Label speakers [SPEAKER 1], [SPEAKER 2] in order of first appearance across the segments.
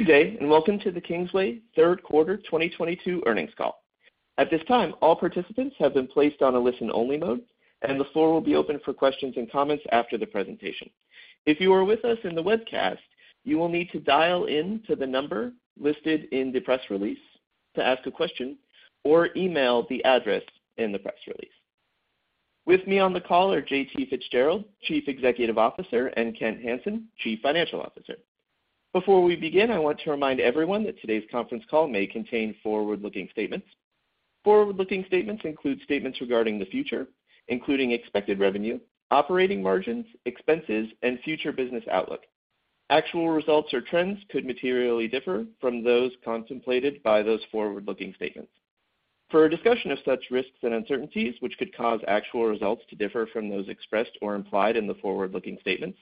[SPEAKER 1] Good day, and welcome to the Kingsway third quarter 2022 earnings call. At this time, all participants have been placed on a listen-only mode, and the floor will be open for questions and comments after the presentation. If you are with us in the webcast, you will need to dial in to the number listed in the press release to ask a question or email the address in the press release. With me on the call are J.T. Fitzgerald, Chief Executive Officer, and Kent A. Hansen, Chief Financial Officer. Before we begin, I want to remind everyone that today's conference call may contain forward-looking statements. Forward-looking statements include statements regarding the future, including expected revenue, operating margins, expenses, and future business outlook. Actual results or trends could materially differ from those contemplated by those forward-looking statements. For a discussion of such risks and uncertainties, which could cause actual results to differ from those expressed or implied in the forward-looking statements,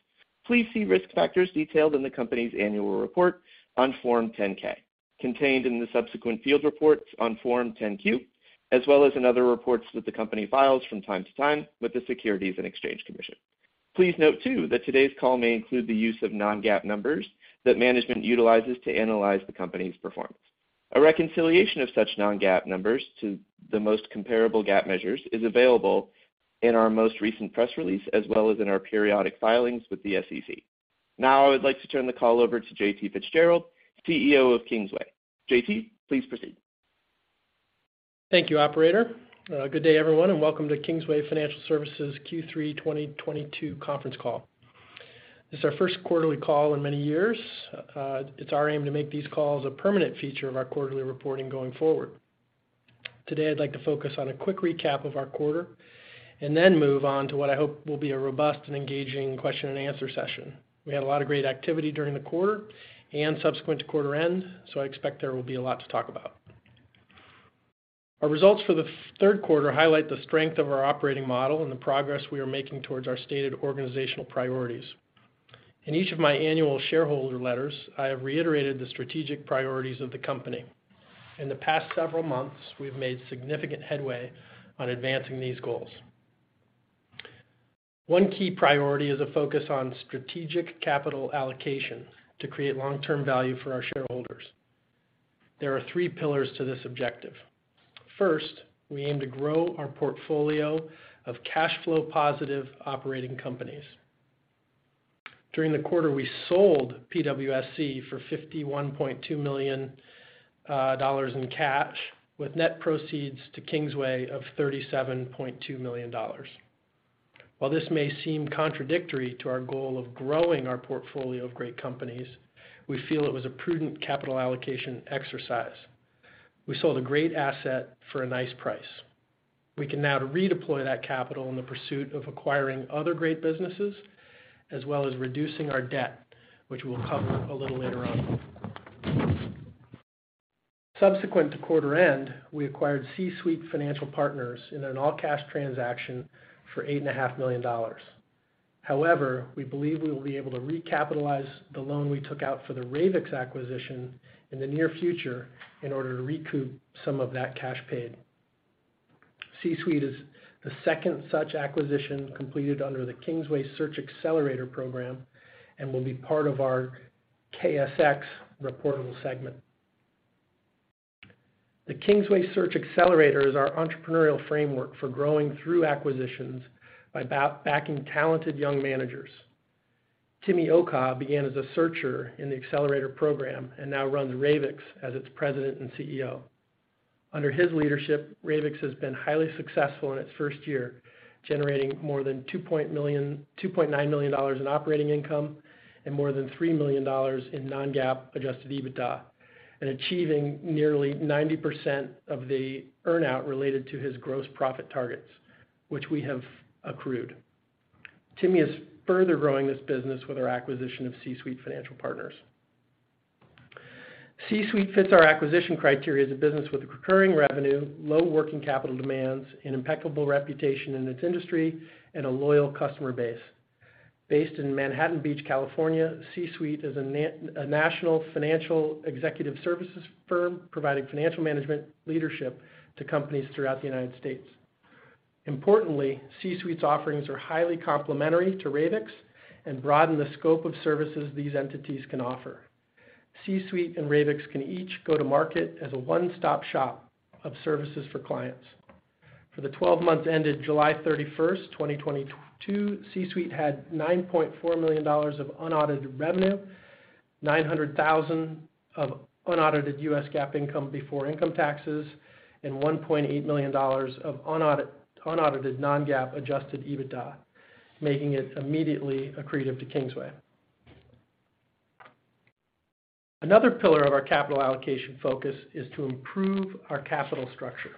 [SPEAKER 1] please see risk factors detailed in the company's annual report on Form 10-K, contained in the subsequent filed reports on Form 10-Q, as well as in other reports that the company files from time to time with the Securities and Exchange Commission. Please note too that today's call may include the use of Non-GAAP numbers that management utilizes to analyze the company's performance. A reconciliation of such Non-GAAP numbers to the most comparable GAAP measures is available in our most recent press release, as well as in our periodic filings with the SEC. Now I would like to turn the call over to J.T. Fitzgerald, CEO of Kingsway. J.T., please proceed.
[SPEAKER 2] Thank you, operator. Good day, everyone, and welcome to Kingsway Financial Services Q3 2022 conference call. This is our first quarterly call in many years. It's our aim to make these calls a permanent feature of our quarterly reporting going forward. Today, I'd like to focus on a quick recap of our quarter and then move on to what I hope will be a robust and engaging question and answer session. We had a lot of great activity during the quarter and subsequent to quarter end, so I expect there will be a lot to talk about. Our results for the third quarter highlight the strength of our operating model and the progress we are making towards our stated organizational priorities. In each of my annual shareholder letters, I have reiterated the strategic priorities of the company. In the past several months, we've made significant headway on advancing these goals. One key priority is a focus on strategic capital allocation to create long-term value for our shareholders. There are three pillars to this objective. First, we aim to grow our portfolio of cash flow positive operating companies. During the quarter, we sold PWSC for $51.2 million in cash, with net proceeds to Kingsway of $37.2 million. While this may seem contradictory to our goal of growing our portfolio of great companies, we feel it was a prudent capital allocation exercise. We sold a great asset for a nice price. We can now redeploy that capital in the pursuit of acquiring other great businesses as well as reducing our debt, which we'll cover a little later on. Subsequent to quarter end, we acquired CSuite Financial Partners in an all-cash transaction for $8.5 million. However, we believe we will be able to recapitalize the loan we took out for the Ravix acquisition in the near future in order to recoup some of that cash paid. CSuite is the second such acquisition completed under the Kingsway Search Xcelerator program and will be part of our KSX reportable segment. The Kingsway Search Xcelerator is our entrepreneurial framework for growing through acquisitions by backing talented young managers. Taminy Okey began as a searcher in the Xcelerator program and now runs Ravix as its President and CEO. Under his leadership, Ravix has been highly successful in its first year, generating more than $2.9 million in operating income and more than $3 million in Non-GAAP adjusted EBITDA and achieving nearly 90% of the earn-out related to his gross profit targets, which we have accrued. Timmy is further growing this business with our acquisition of CSuite Financial Partners. CSuite fits our acquisition criteria as a business with recurring revenue, low working capital demands, an impeccable reputation in its industry, and a loyal customer base. Based in Manhattan Beach, California, CSuite is a national financial executive services firm providing financial management leadership to companies throughout the United States. Importantly, CSuite's offerings are highly complementary to Ravix and broaden the scope of services these entities can offer. C-suite and Ravix can each go to market as a one-stop shop of services for clients. For the 12 months ended July 31, 2022, C-suite had $9.4 million of unaudited revenue, $900,000 of unaudited U.S. GAAP income before income taxes, and $1.8 million of unaudited Non-GAAP adjusted EBITDA, making it immediately accretive to Kingsway. Another pillar of our capital allocation focus is to improve our capital structure.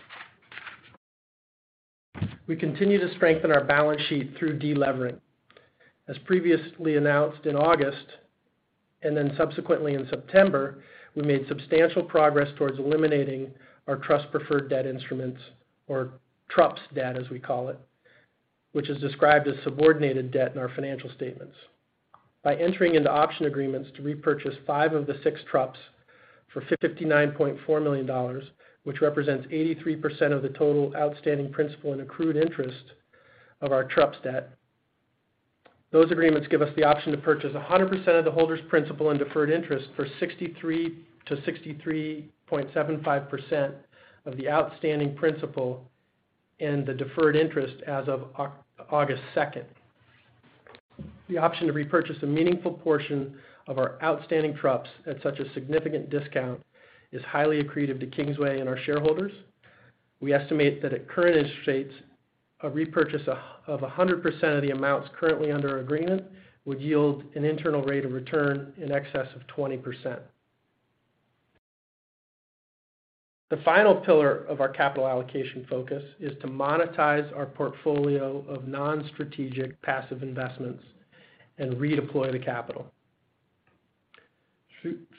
[SPEAKER 2] We continue to strengthen our balance sheet through de-levering. As previously announced in August, and then subsequently in September, we made substantial progress towards eliminating our trust preferred debt instruments or TRUPS debt, as we call it, which is described as subordinated debt in our financial statements. By entering into option agreements to repurchase five of the six TRUPS for $59.4 million, which represents 83% of the total outstanding principal and accrued interest of our TRUPS debt. Those agreements give us the option to purchase 100% of the holder's principal and deferred interest for 63%-63.75% of the outstanding principal and the deferred interest as of August two. The option to repurchase a meaningful portion of our outstanding TRUPS at such a significant discount is highly accretive to Kingsway and our shareholders. We estimate that at current interest rates, a repurchase of 100% of the amounts currently under agreement would yield an internal rate of return in excess of 20%. The final pillar of our capital allocation focus is to monetize our portfolio of non-strategic passive investments and redeploy the capital.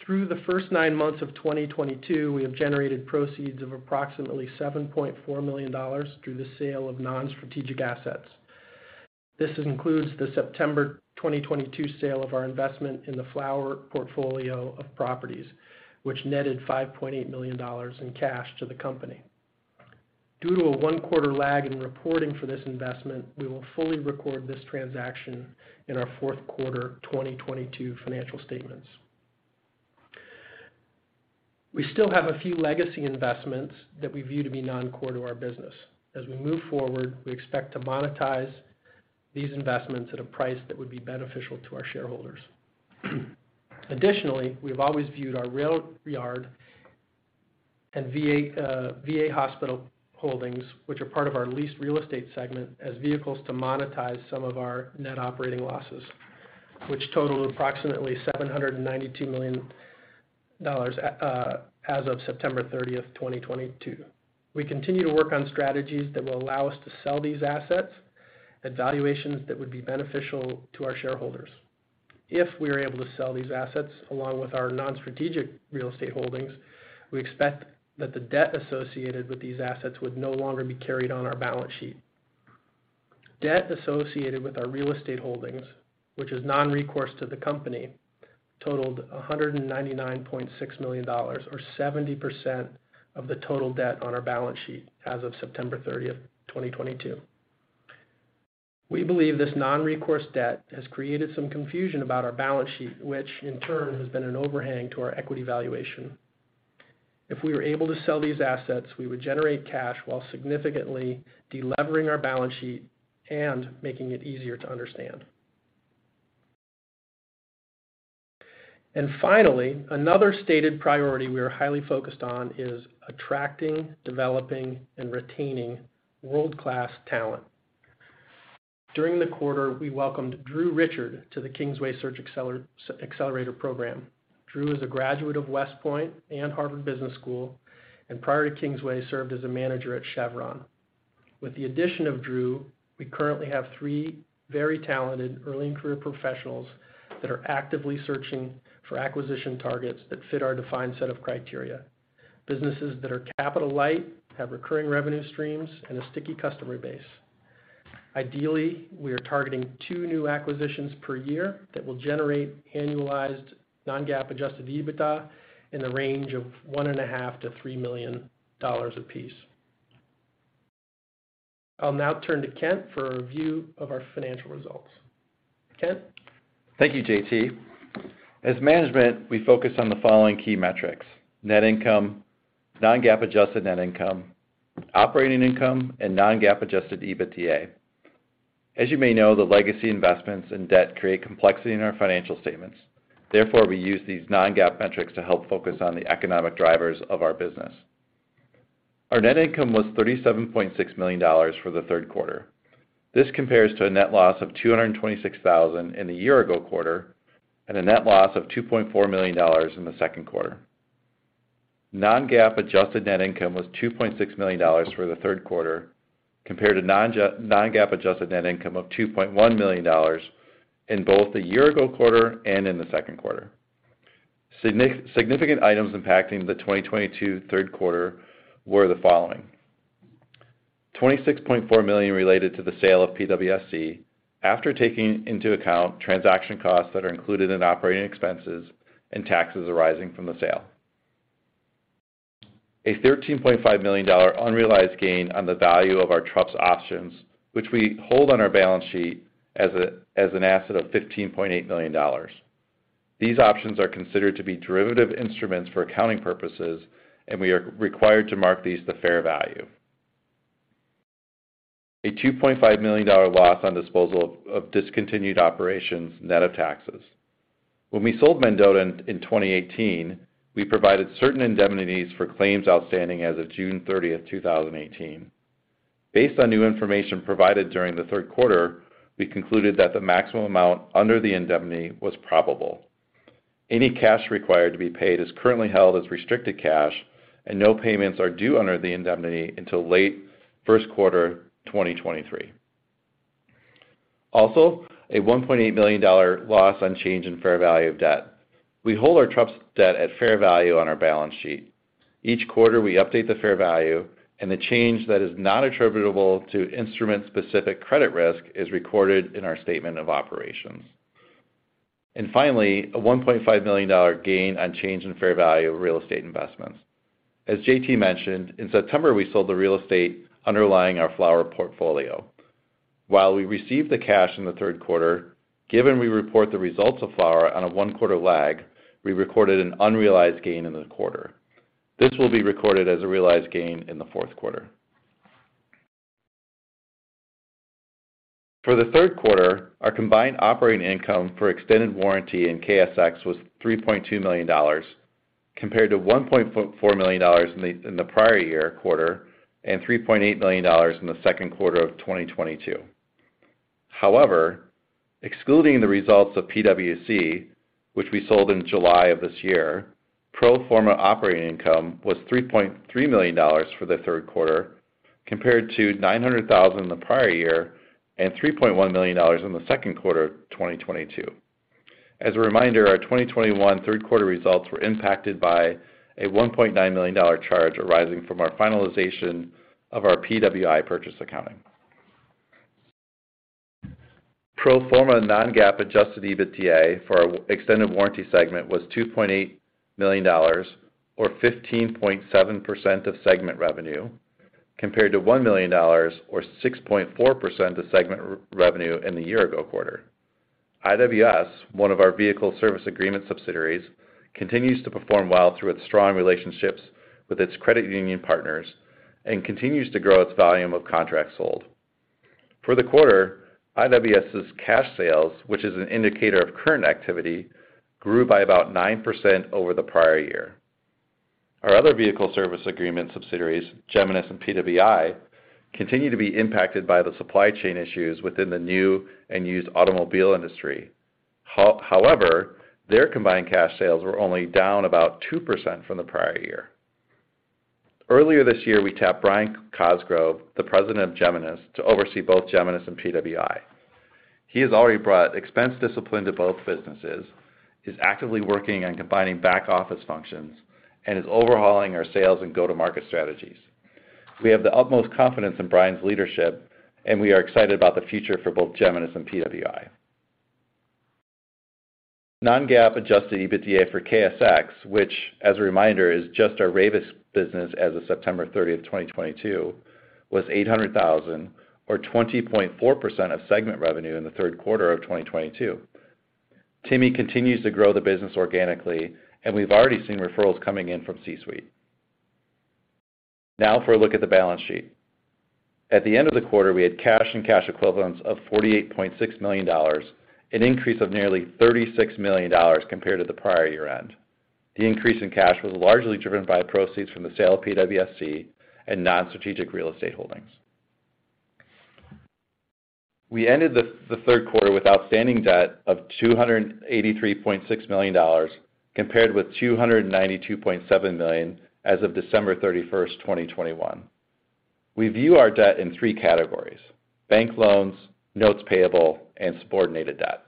[SPEAKER 2] Through the first nine months of 2022, we have generated proceeds of approximately $7.4 million through the sale of non-strategic assets. This includes the September 2022 sale of our investment in the Flower Portfolio of properties, which netted $5.8 million in cash to the company. Due to a one-quarter lag in reporting for this investment, we will fully record this transaction in our fourth quarter 2022 financial statements. We still have a few legacy investments that we view to be non-core to our business. As we move forward, we expect to monetize these investments at a price that would be beneficial to our shareholders. Additionally, we've always viewed our rail yard and VA hospital holdings, which are part of our leased real estate segment, as vehicles to monetize some of our net operating losses, which total approximately $792 million, as of September 30, 2022. We continue to work on strategies that will allow us to sell these assets at valuations that would be beneficial to our shareholders. If we are able to sell these assets along with our non-strategic real estate holdings, we expect that the debt associated with these assets would no longer be carried on our balance sheet. Debt associated with our real estate holdings, which is non-recourse to the company, totaled $199.6 million or 70% of the total debt on our balance sheet as of September 30, 2022. We believe this non-recourse debt has created some confusion about our balance sheet, which in turn has been an overhang to our equity valuation. If we were able to sell these assets, we would generate cash while significantly de-levering our balance sheet and making it easier to understand. Finally, another stated priority we are highly focused on is attracting, developing, and retaining world-class talent. During the quarter, we welcomed Drew Richard to the Kingsway Search Xcelerator program. Drew is a graduate of West Point and Harvard Business School, and prior to Kingsway, served as a manager at Chevron. With the addition of Drew, we currently have three very talented early career professionals that are actively searching for acquisition targets that fit our defined set of criteria. Businesses that are capital light, have recurring revenue streams, and a sticky customer base. Ideally, we are targeting two new acquisitions per year that will generate annualized Non-GAAP adjusted EBITDA in the range of $1.5 million-$3 million a piece. I'll now turn to Kent for a review of our financial results. Kent.
[SPEAKER 3] Thank you, J.T. As management, we focus on the following key metrics, net income, Non-GAAP adjusted net income, operating income, and Non-GAAP adjusted EBITDA. As you may know, the legacy investments and debt create complexity in our financial statements. Therefore, we use these Non-GAAP metrics to help focus on the economic drivers of our business. Our net income was $37.6 million for the third quarter. This compares to a net loss of $226,000 in the year-ago quarter, and a net loss of $2.4 million in the second quarter. Non-GAAP adjusted net income was $2.6 million for the third quarter compared to Non-GAAP adjusted net income of $2.1 million in both the year-ago quarter and in the second quarter. Significant items impacting the 2022 third quarter were the following. $26.4 million related to the sale of PWSC after taking into account transaction costs that are included in operating expenses and taxes arising from the sale. A $13.5 million unrealized gain on the value of our TRUPS options, which we hold on our balance sheet as an asset of $15.8 million. These options are considered to be derivative instruments for accounting purposes, and we are required to mark these to fair value. A $2.5 million loss on disposal of discontinued operations net of taxes. When we sold Mendota in 2018, we provided certain indemnities for claims outstanding as of June 30, 2018. Based on new information provided during the third quarter, we concluded that the maximum amount under the indemnity was probable. Any cash required to be paid is currently held as restricted cash and no payments are due under the indemnity until late first quarter 2023. Also, a $1.8 million loss on change in fair value of debt. We hold our TRUPS debt at fair value on our balance sheet. Each quarter, we update the fair value and the change that is not attributable to instrument-specific credit risk is recorded in our statement of operations. Finally, a $1.5 million gain on change in fair value of real estate investments. As J.T. mentioned, in September, we sold the real estate underlying our Flower Portfolio. While we received the cash in the third quarter, given we report the results of Flower Portfolio on a one quarter lag, we recorded an unrealized gain in the quarter. This will be recorded as a realized gain in the fourth quarter. For the third quarter, our combined operating income for extended warranty in KSX was $3.2 million compared to $1.4 million in the prior year quarter and $3.8 million in the second quarter of 2022. However, excluding the results of PWSC, which we sold in July of this year, pro forma operating income was $3.3 million for the third quarter compared to $900,000 in the prior year and $3.1 million in the second quarter of 2022. As a reminder, our 2021 third quarter results were impacted by a $1.9 million charge arising from our finalization of our PWI purchase accounting. Pro forma Non-GAAP adjusted EBITDA for our extended warranty segment was $2.8 million or 15.7% of segment revenue, compared to $1 million or 6.4% of segment revenue in the year ago quarter. IWS, one of our vehicle service agreement subsidiaries, continues to perform well through its strong relationships with its credit union partners and continues to grow its volume of contracts sold. For the quarter, IWS' cash sales, which is an indicator of current activity, grew by about 9% over the prior year. Our other vehicle service agreement subsidiaries, Geminus and PWI, continue to be impacted by the supply chain issues within the new and used automobile industry. However, their combined cash sales were only down about 2% from the prior year. Earlier this year, we tapped Brian Cosgrove, the president of Geminus, to oversee both Geminus and PWI. He has already brought expense discipline to both businesses, is actively working on combining back-office functions, and is overhauling our sales and go-to-market strategies. We have the utmost confidence in Brian's leadership, and we are excited about the future for both Geminus and PWI. Non-GAAP adjusted EBITDA for KSX, which as a reminder, is just our Ravix business as of September 30, 2022, was $800,000 or 20.4% of segment revenue in the third quarter of 2022. Timmy continues to grow the business organically, and we've already seen referrals coming in from C-Suite. Now for a look at the balance sheet. At the end of the quarter, we had cash and cash equivalents of $48.6 million, an increase of nearly $36 million compared to the prior year end. The increase in cash was largely driven by proceeds from the sale of PWSC and non-strategic real estate holdings. We ended the third quarter with outstanding debt of $283.6 million compared with $292.7 million as of December 31, 2021. We view our debt in three categories, bank loans, notes payable, and subordinated debt.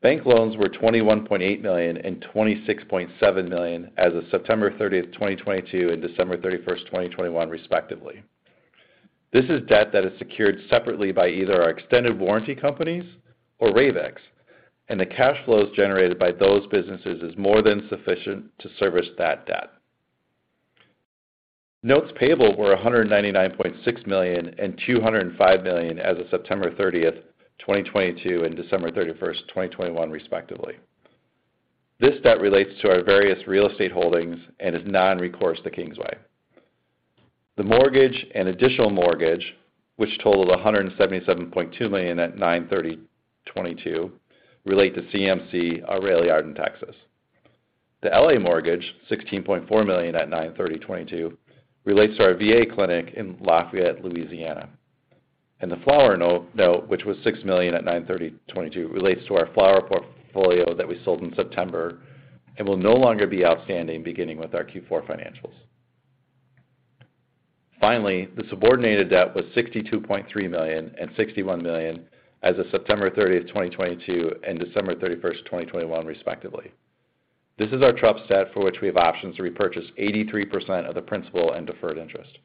[SPEAKER 3] Bank loans were $21.8 million and $26.7 million as of September 30, 2022, and December 31, 2021, respectively. This is debt that is secured separately by either our extended warranty companies or Ravix, and the cash flows generated by those businesses is more than sufficient to service that debt. Notes payable were $199.6 million and $205 million as of September 30, 2022, and December 31, 2021, respectively. This debt relates to our various real estate holdings and is non-recourse to Kingsway. The mortgage and additional mortgage, which totaled $177.2 million at 9/30/2022, relate to CMC, our rail yard in Texas. The LA mortgage, $16.4 million at 9/30/2022, relates to our VA clinic in Lafayette, Louisiana. The Flower note, which was $6 million as of September 30, 2022, relates to our Flower portfolio that we sold in September and will no longer be outstanding beginning with our Q4 financials. Finally, the subordinated debt was $62.3 million and $61 million as of September 30, 2022, and December 31, 2021, respectively. This is our TRUPS debt for which we have options to repurchase 83% of the principal and deferred interest.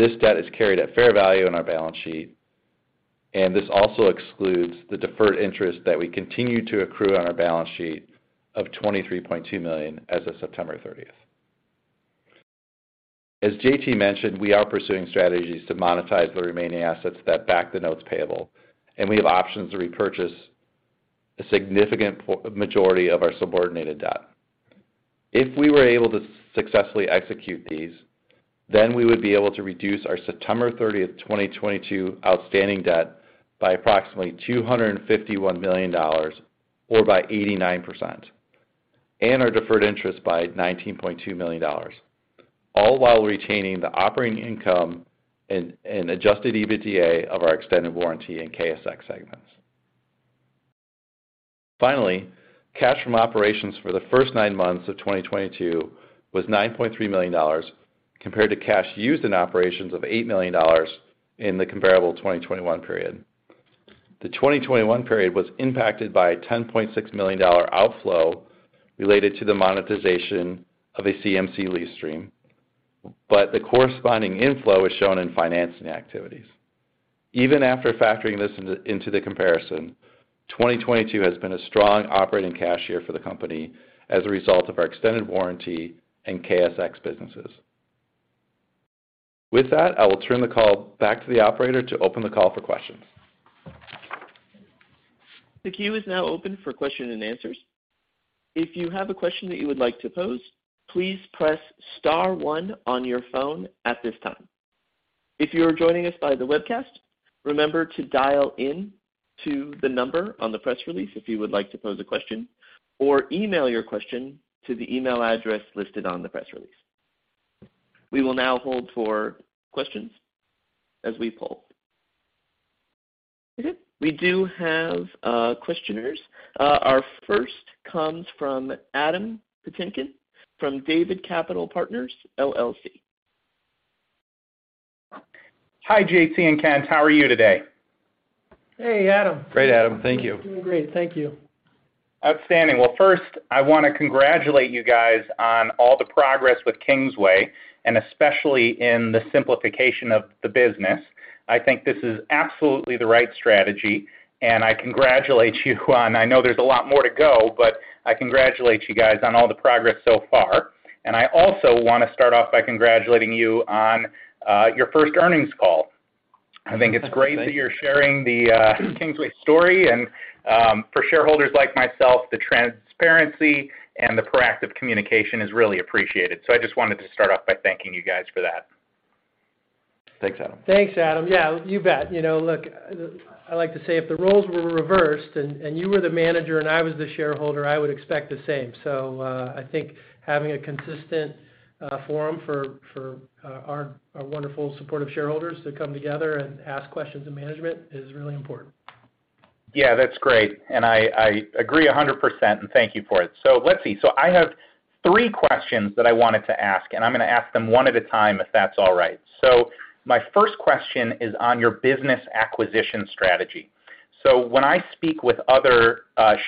[SPEAKER 3] This debt is carried at fair value on our balance sheet, and this also excludes the deferred interest that we continue to accrue on our balance sheet of $23.2 million as of September 30. As J.T. mentioned, we are pursuing strategies to monetize the remaining assets that back the notes payable, and we have options to repurchase a significant majority of our subordinated debt. If we were able to successfully execute these, then we would be able to reduce our September 30, 2022, outstanding debt by approximately $251 million or by 89% and our deferred interest by $19.2 million, all while retaining the operating income and adjusted EBITDA of our extended warranty and KSX segments. Finally, cash from operations for the first nine months of 2022 was $9.3 million compared to cash used in operations of $8 million in the comparable 2021 period. The 2021 period was impacted by a $10.6 million outflow related to the monetization of a CMC lease stream. The corresponding inflow is shown in financing activities. Even after factoring this into the comparison, 2022 has been a strong operating cash year for the company as a result of our extended warranty and KSX businesses. With that, I will turn the call back to the operator to open the call for questions.
[SPEAKER 1] The queue is now open for question and answers. If you have a question that you would like to pose, please press star one on your phone at this time. If you are joining us by the webcast, remember to dial in to the number on the press release if you would like to pose a question, or email your question to the email address listed on the press release. We will now hold for questions as we poll. Okay. We do have questioners. Our first comes from Adam Patinkin from David Capital Partners, LLC.
[SPEAKER 4] Hi, J.T. and Kent. How are you today?
[SPEAKER 2] Hey, Adam.
[SPEAKER 3] Great, Adam. Thank you.
[SPEAKER 2] Doing great. Thank you.
[SPEAKER 4] Outstanding. Well, first, I wanna congratulate you guys on all the progress with Kingsway, and especially in the simplification of the business. I think this is absolutely the right strategy. I know there's a lot more to go, but I congratulate you guys on all the progress so far. I also wanna start off by congratulating you on your first earnings call.
[SPEAKER 3] Thank you.
[SPEAKER 4] I think it's great that you're sharing the Kingsway story and for shareholders like myself, the transparency and the proactive communication is really appreciated. I just wanted to start off by thanking you guys for that.
[SPEAKER 3] Thanks, Adam.
[SPEAKER 2] Thanks, Adam. Yeah, you bet. You know, look, I like to say if the roles were reversed and you were the manager and I was the shareholder, I would expect the same. I think having a consistent forum for our wonderful supportive shareholders to come together and ask questions of management is really important.
[SPEAKER 4] Yeah, that's great. I agree 100%, and thank you for it. Let's see. I have three questions that I wanted to ask, and I'm gonna ask them one at a time, if that's all right. My first question is on your business acquisition strategy. When I speak with other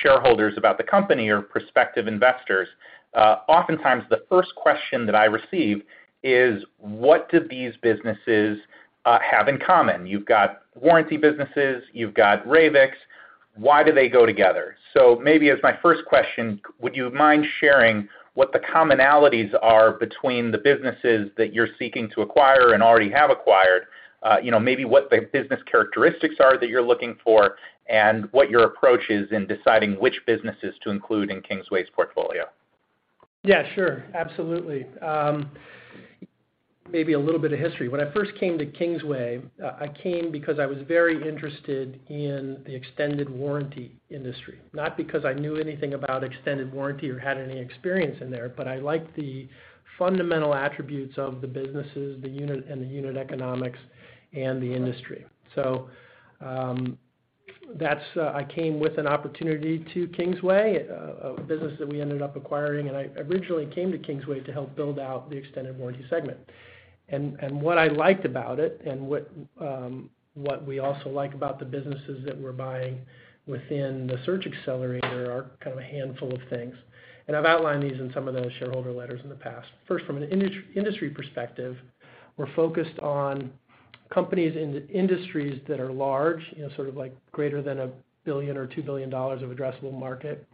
[SPEAKER 4] shareholders about the company or prospective investors, oftentimes the first question that I receive is, what do these businesses have in common? You've got warranty businesses, you've got Ravix. Why do they go together? Maybe as my first question, would you mind sharing what the commonalities are between the businesses that you're seeking to acquire and already have acquired, you know, maybe what the business characteristics are that you're looking for, and what your approach is in deciding which businesses to include in Kingsway's portfolio?
[SPEAKER 2] Yeah, sure. Absolutely. Maybe a little bit of history. When I first came to Kingsway, I came because I was very interested in the extended warranty industry, not because I knew anything about extended warranty or had any experience in there. I liked the fundamental attributes of the businesses, the unit, and the unit economics and the industry. That's. I came with an opportunity to Kingsway, a business that we ended up acquiring, and I originally came to Kingsway to help build out the extended warranty segment. What I liked about it and what we also like about the businesses that we're buying within the search accelerator are kind of a handful of things, and I've outlined these in some of those shareholder letters in the past. First, from an industry perspective, we're focused on companies in the industries that are large, you know, sort of like greater than $1 billion or $2 billion of addressable market,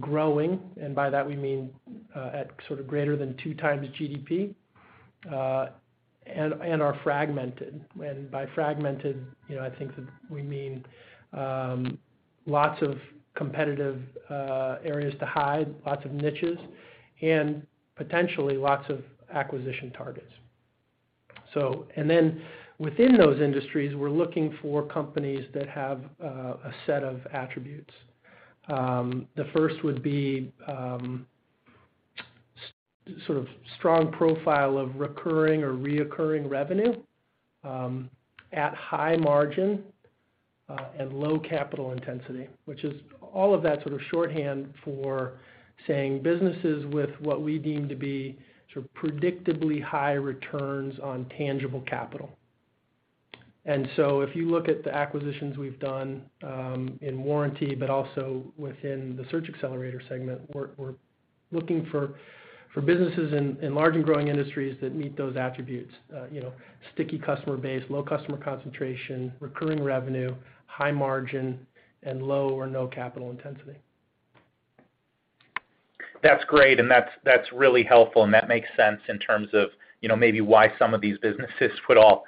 [SPEAKER 2] growing, and by that we mean, at sort of greater than two times GDP, and are fragmented. By fragmented, you know, I think that we mean, lots of competitive, areas to hide, lots of niches, and potentially lots of acquisition targets. Then within those industries, we're looking for companies that have, a set of attributes. The first would be, sort of strong profile of recurring or reoccurring revenue, at high margin, and low capital intensity, which is all of that sort of shorthand for saying businesses with what we deem to be sort of predictably high returns on tangible capital. If you look at the acquisitions we've done in warranty but also within the Search Xcelerator segment, we're looking for businesses in large and growing industries that meet those attributes. You know, sticky customer base, low customer concentration, recurring revenue, high margin, and low or no capital intensity.
[SPEAKER 4] That's great, and that's really helpful, and that makes sense in terms of, you know, maybe why some of these businesses would all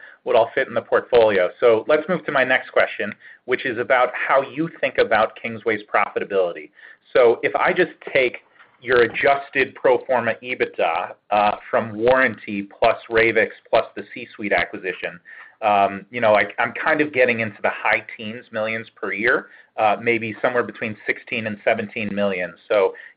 [SPEAKER 4] fit in the portfolio. Let's move to my next question, which is about how you think about Kingsway's profitability. If I just take your adjusted pro forma EBITDA from warranty plus Ravix plus the CSuite acquisition, you know, I'm kind of getting into the high teens millions per year, maybe somewhere between $16 million and $17 million.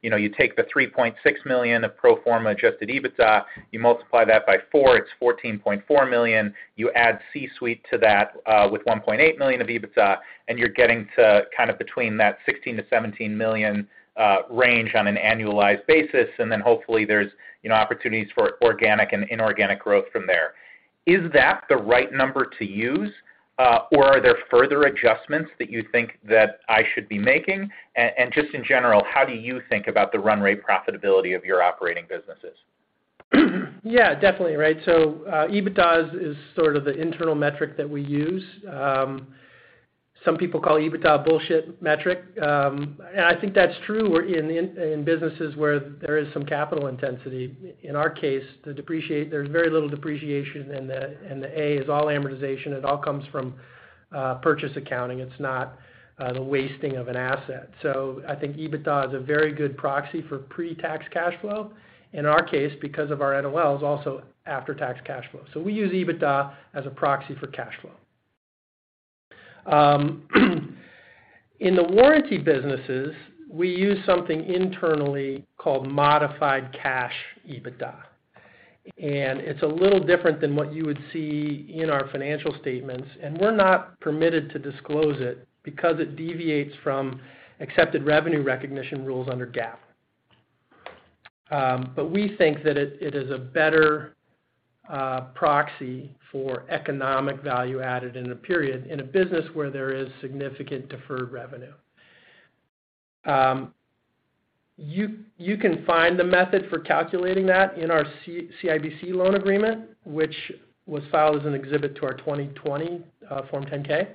[SPEAKER 4] You know, you take the $3.6 million of pro forma adjusted EBITDA, you multiply that by four, it's $14.4 million. You add CSuite to that with $1.8 million of EBITDA, and you're getting to kind of between that $16-$17 million range on an annualized basis. Hopefully there's, you know, opportunities for organic and inorganic growth from there. Is that the right number to use? Or are there further adjustments that you think that I should be making? Just in general, how do you think about the run rate profitability of your operating businesses?
[SPEAKER 2] Yeah. Definitely, right. EBITDA is sort of the internal metric that we use. Some people call EBITDA bullshit metric. I think that's true in businesses where there is some capital intensity. In our case, there's very little depreciation, and the A is all amortization. It all comes from purchase accounting. It's not the wasting of an asset. EBITDA is a very good proxy for pre-tax cash flow. In our case, because of our NOLs, also after-tax cash flow. We use EBITDA as a proxy for cash flow. In the warranty businesses, we use something internally called modified cash EBITDA. It's a little different than what you would see in our financial statements, and we're not permitted to disclose it because it deviates from accepted revenue recognition rules under GAAP. We think that it is a better proxy for economic value added in a period in a business where there is significant deferred revenue. You can find the method for calculating that in our CIBC loan agreement, which was filed as an exhibit to our 2020 Form 10-K.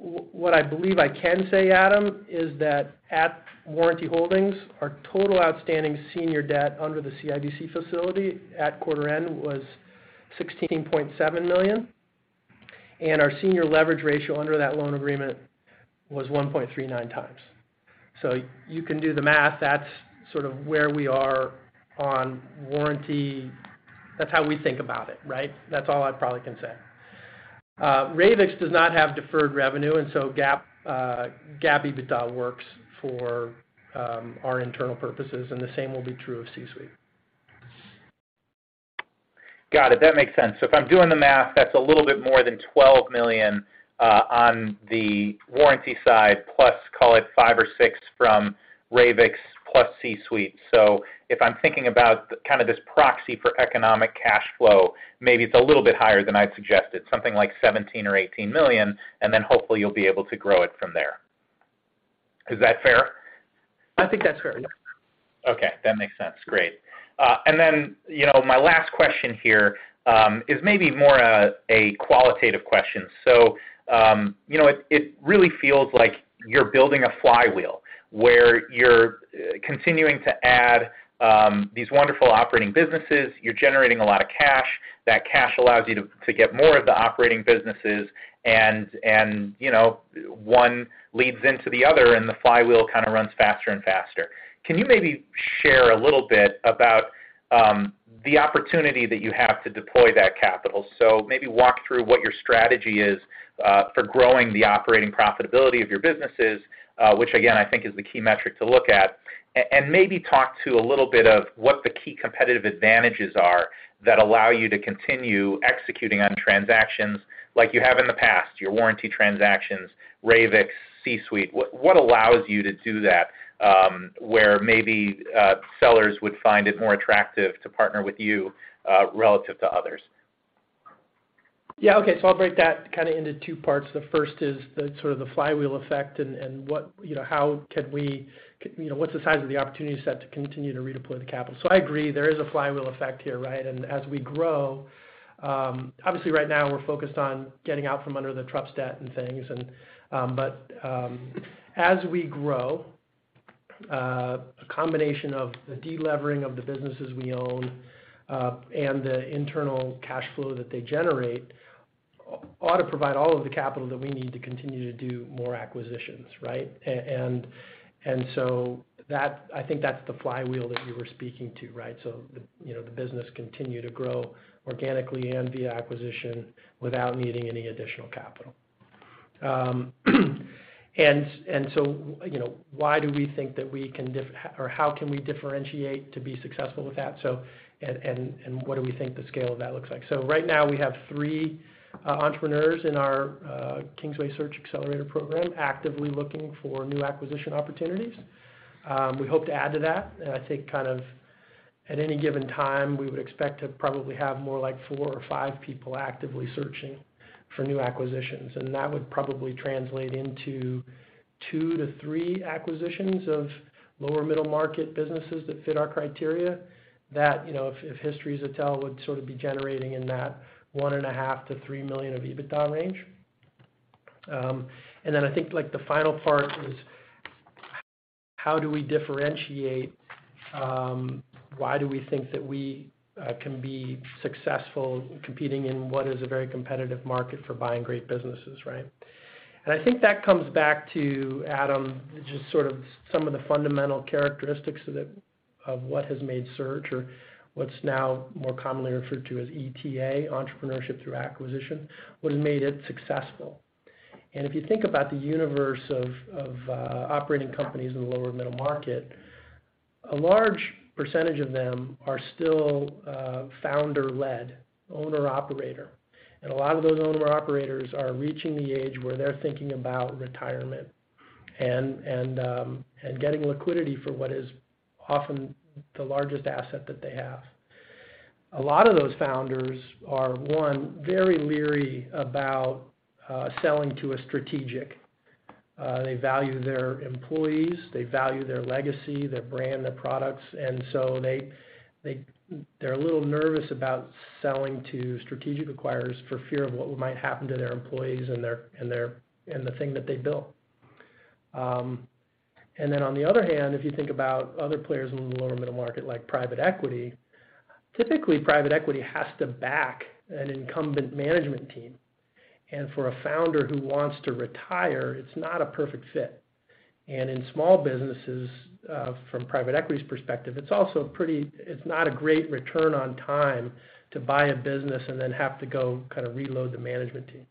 [SPEAKER 2] What I believe I can say, Adam, is that at warranty holdings, our total outstanding senior debt under the CIBC facility at quarter-end was $16.7 million, and our senior leverage ratio under that loan agreement was 1.39 times. You can do the math. That's sort of where we are on warranty. That's how we think about it, right? That's all I probably can say. Ravix does not have deferred revenue, and so GAAP EBITDA works for our internal purposes, and the same will be true of CSuite.
[SPEAKER 4] Got it. That makes sense. If I'm doing the math, that's a little bit more than $12 million on the warranty side, plus call it $5 or $6 million from Ravix plus C-Suite. If I'm thinking about kind of this proxy for economic cash flow, maybe it's a little bit higher than I'd suggested, something like $17 million or $18 million, and then hopefully you'll be able to grow it from there. Is that fair?
[SPEAKER 2] I think that's fair, yes.
[SPEAKER 4] Okay, that makes sense. Great. You know, my last question here is maybe more a qualitative question. You know, it really feels like you're building a flywheel where you're continuing to add these wonderful operating businesses. You're generating a lot of cash. That cash allows you to get more of the operating businesses and, you know, one leads into the other, and the flywheel kind of runs faster and faster. Can you maybe share a little bit about the opportunity that you have to deploy that capital? Maybe walk through what your strategy is for growing the operating profitability of your businesses, which again, I think is the key metric to look at. Maybe talk to a little bit of what the key competitive advantages are that allow you to continue executing on transactions like you have in the past, your warranty transactions, Ravix, CSuite. What allows you to do that, where maybe sellers would find it more attractive to partner with you relative to others?
[SPEAKER 2] Yeah. Okay. I'll break that kinda into two parts. The first is the sort of the flywheel effect and what, you know, what's the size of the opportunity set to continue to redeploy the capital. I agree, there is a flywheel effect here, right? As we grow, obviously right now we're focused on getting out from under the TRUPS debt and things. As we grow, a combination of the de-levering of the businesses we own and the internal cash flow that they generate ought to provide all of the capital that we need to continue to do more acquisitions, right? And so that I think that's the flywheel that you were speaking to, right? You know, the business continue to grow organically and via acquisition without needing any additional capital. You know, why do we think that we can or how can we differentiate to be successful with that? What do we think the scale of that looks like? Right now, we have three entrepreneurs in our Kingsway Search Xcelerator program actively looking for new acquisition opportunities. We hope to add to that. I think kind of at any given time, we would expect to probably have more like four or five people actively searching for new acquisitions. That would probably translate into two to three acquisitions of lower middle market businesses that fit our criteria that, you know, if history is a tell, would sort of be generating in that $1.5-3 million of EBITDA range. I think like the final part is how do we differentiate, why do we think that we can be successful competing in what is a very competitive market for buying great businesses, right? I think that comes back to Adam, just sort of some of the fundamental characteristics of it, of what has made search or what's now more commonly referred to as ETA, Entrepreneurship through Acquisition, what has made it successful. Getting liquidity for what is often the largest asset that they have. A lot of those founders are one very leery about selling to a strategic. They value their employees, they value their legacy, their brand, their products, and so they’re a little nervous about selling to strategic acquirers for fear of what might happen to their employees and their, and the thing that they built. Then on the other hand, if you think about other players in the lower middle market, like private equity, typically private equity has to back an incumbent management team. For a founder who wants to retire, it’s not a perfect fit. In small businesses, from private equity’s perspective, it’s not a great return on time to buy a business and then have to go kind of reload the management team.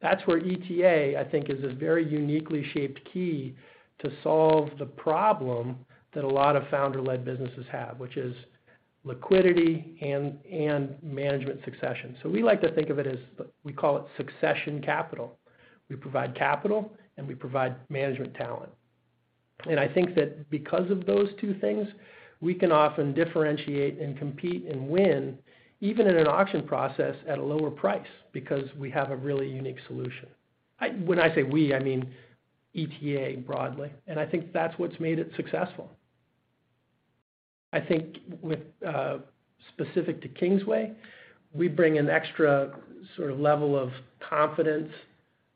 [SPEAKER 2] That's where ETA, I think, is a very uniquely shaped key to solve the problem that a lot of founder-led businesses have, which is liquidity and management succession. We like to think of it as we call it succession capital. We provide capital, and we provide management talent. I think that because of those two things, we can often differentiate and compete and win, even in an auction process at a lower price, because we have a really unique solution. When I say we, I mean ETA broadly. I think that's what's made it successful. I think with specific to Kingsway, we bring an extra sort of level of confidence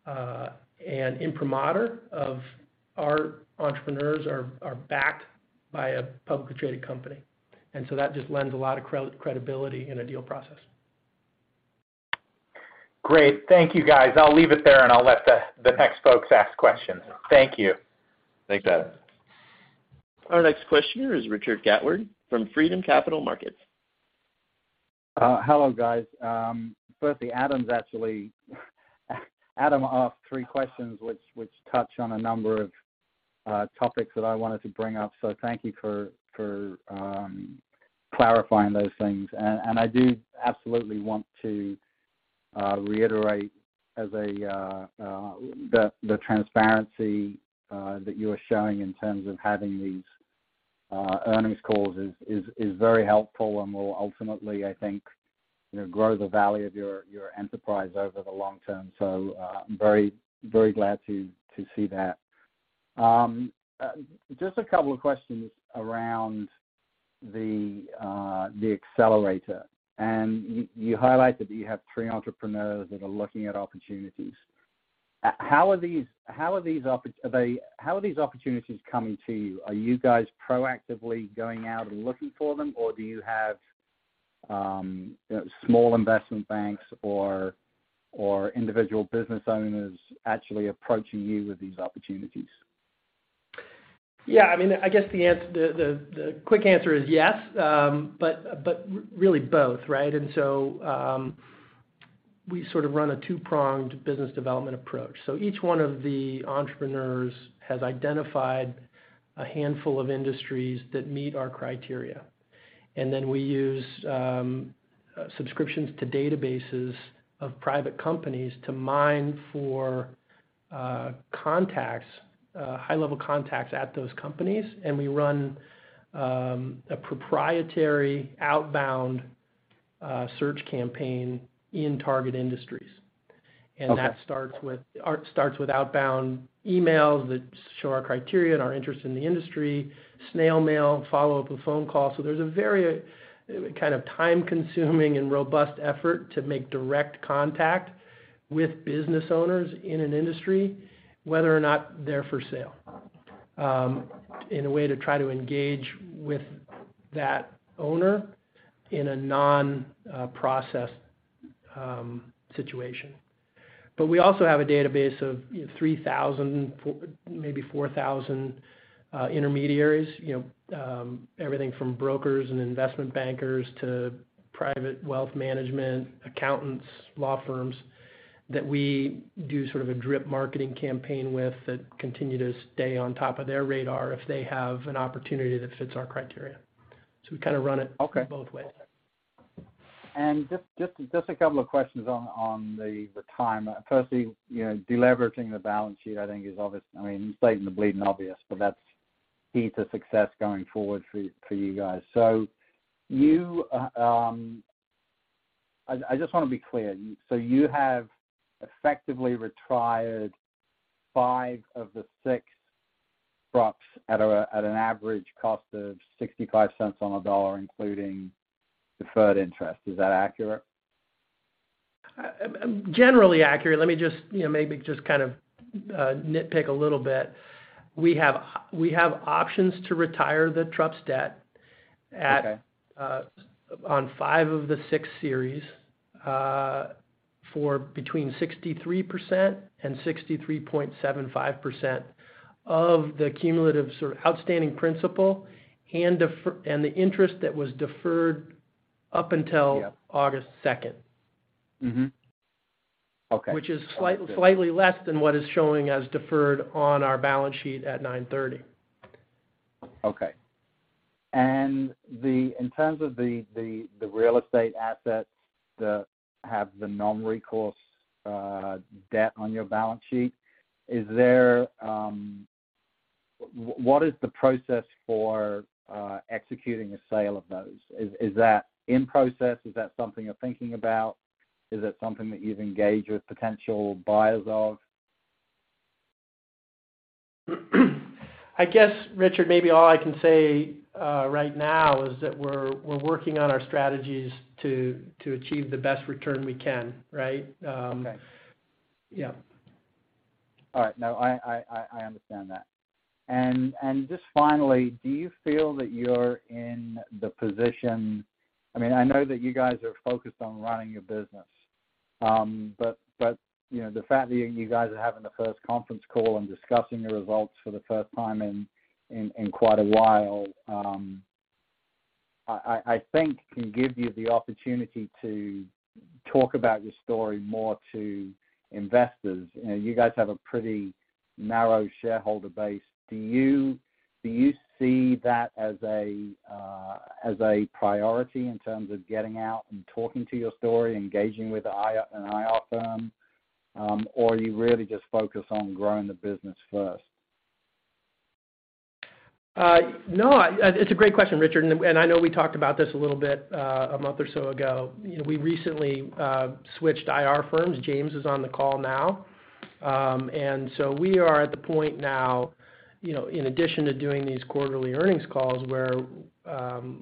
[SPEAKER 2] and imprimatur of our entrepreneurs are backed by a publicly traded company. That just lends a lot of credibility in a deal process.
[SPEAKER 4] Great. Thank you, guys. I'll leave it there, and I'll let the next folks ask questions. Thank you.
[SPEAKER 2] Thanks, Adam.
[SPEAKER 1] Our next questioner is Richard Gatward from Freedom Capital Markets.
[SPEAKER 5] Hello, guys. Firstly, Adam asked three questions which touch on a number of topics that I wanted to bring up. Thank you for clarifying those things. I do absolutely want to reiterate the transparency that you are showing in terms of having these earnings calls is very helpful and will ultimately, I think, you know, grow the value of your enterprise over the long term. I'm very glad to see that. Just a couple of questions around the accelerator. You highlighted that you have three entrepreneurs that are looking at opportunities. How are these opportunities coming to you? Are you guys proactively going out and looking for them, or do you have small investment banks or individual business owners actually approaching you with these opportunities?
[SPEAKER 2] Yeah, I mean, I guess the quick answer is yes. Really both, right? We sort of run a two-pronged business development approach. Each one of the entrepreneurs has identified a handful of industries that meet our criteria. We use subscriptions to databases of private companies to mine for contacts, high-level contacts at those companies, and we run a proprietary outbound search campaign in target industries.
[SPEAKER 5] Okay.
[SPEAKER 2] That starts with outbound emails that show our criteria and our interest in the industry, snail mail, follow-up with phone calls. There's a very kind of time-consuming and robust effort to make direct contact with business owners in an industry, whether or not they're for sale in a way to try to engage with that owner in a non-process situation. We also have a database of 3,000-4,000 intermediaries, you know, everything from brokers and investment bankers to private wealth management, accountants, law firms, that we do sort of a drip marketing campaign with that continue to stay on top of their radar if they have an opportunity that fits our criteria. We kind of run it.
[SPEAKER 5] Okay.
[SPEAKER 2] both ways.
[SPEAKER 5] Just a couple of questions on the timing. Firstly, you know, deleveraging the balance sheet, I think is obvious. I mean, stating the bleeding obvious, but that's key to success going forward for you guys. I just wanna be clear. You have effectively retired five of the six TRUPS at an average cost of $0.65 on the dollar, including deferred interest. Is that accurate?
[SPEAKER 2] Generally accurate. Let me just, you know, maybe just kind of, nitpick a little bit. We have options to retire the TRUPS debt at-
[SPEAKER 5] Okay.
[SPEAKER 2] on five of the six series, for between 63% and 63.75% of the cumulative sort of outstanding principal and the interest that was deferred up until
[SPEAKER 5] Yeah.
[SPEAKER 2] August second.
[SPEAKER 5] Okay.
[SPEAKER 2] Which is slightly less than what is showing as deferred on our balance sheet at 9/30.
[SPEAKER 5] Okay. In terms of the real estate assets that have the non-recourse debt on your balance sheet, what is the process for executing a sale of those? Is that in process? Is that something you're thinking about? Is that something that you've engaged with potential buyers of?
[SPEAKER 2] I guess, Richard, maybe all I can say right now is that we're working on our strategies to achieve the best return we can, right?
[SPEAKER 5] Okay.
[SPEAKER 2] Yeah.
[SPEAKER 5] All right. No, I understand that. Just finally, do you feel that you're in the position? I mean, I know that you guys are focused on running your business. But, you know, the fact that you guys are having the first conference call and discussing your results for the first time in quite a while, I think can give you the opportunity to talk about your story more to investors. You know, you guys have a pretty narrow shareholder base. Do you see that as a priority in terms of getting out and talking to your story, engaging with an IR firm? Are you really just focused on growing the business first?
[SPEAKER 2] No, it's a great question, Richard. I know we talked about this a little bit a month or so ago. You know, we recently switched IR firms. James is on the call now. We are at the point now, you know, in addition to doing these quarterly earnings calls where,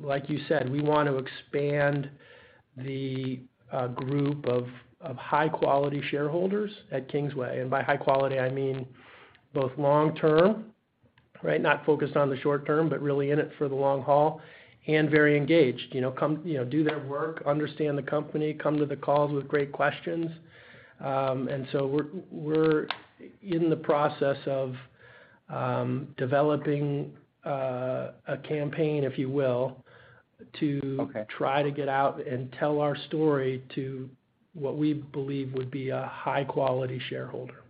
[SPEAKER 2] like you said, we want to expand the group of high quality shareholders at Kingsway. By high quality, I mean both long-term, right? Not focused on the short term, but really in it for the long haul, and very engaged. You know, come, you know, do their work, understand the company, come to the calls with great questions. We're in the process of developing a campaign, if you will.
[SPEAKER 5] Okay...
[SPEAKER 2] to try to get out and tell our story to what we believe would be a high-quality shareholder.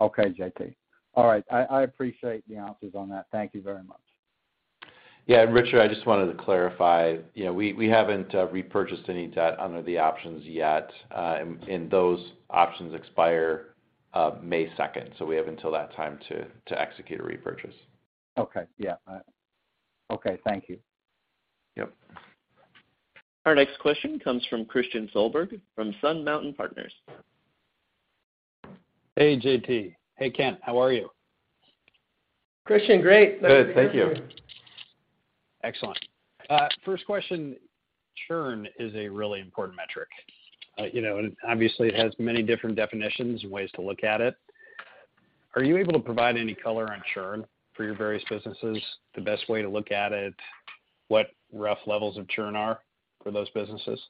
[SPEAKER 5] Okay, J.T. All right. I appreciate the answers on that. Thank you very much.
[SPEAKER 3] Yeah, Richard, I just wanted to clarify. You know, we haven't repurchased any debt under the options yet. Those options expire May second. We have until that time to execute a repurchase.
[SPEAKER 5] Okay. Yeah. All right. Okay. Thank you.
[SPEAKER 3] Yep.
[SPEAKER 1] Our next question comes from Christian Solberg from Sun Mountain Partners.
[SPEAKER 6] Hey, J.T. Hey, Kent. How are you?
[SPEAKER 2] Christian, great.
[SPEAKER 3] Good. Thank you.
[SPEAKER 6] Excellent. First question, churn is a really important metric. You know, obviously, it has many different definitions and ways to look at it. Are you able to provide any color on churn for your various businesses? The best way to look at it, what rough levels of churn are for those businesses?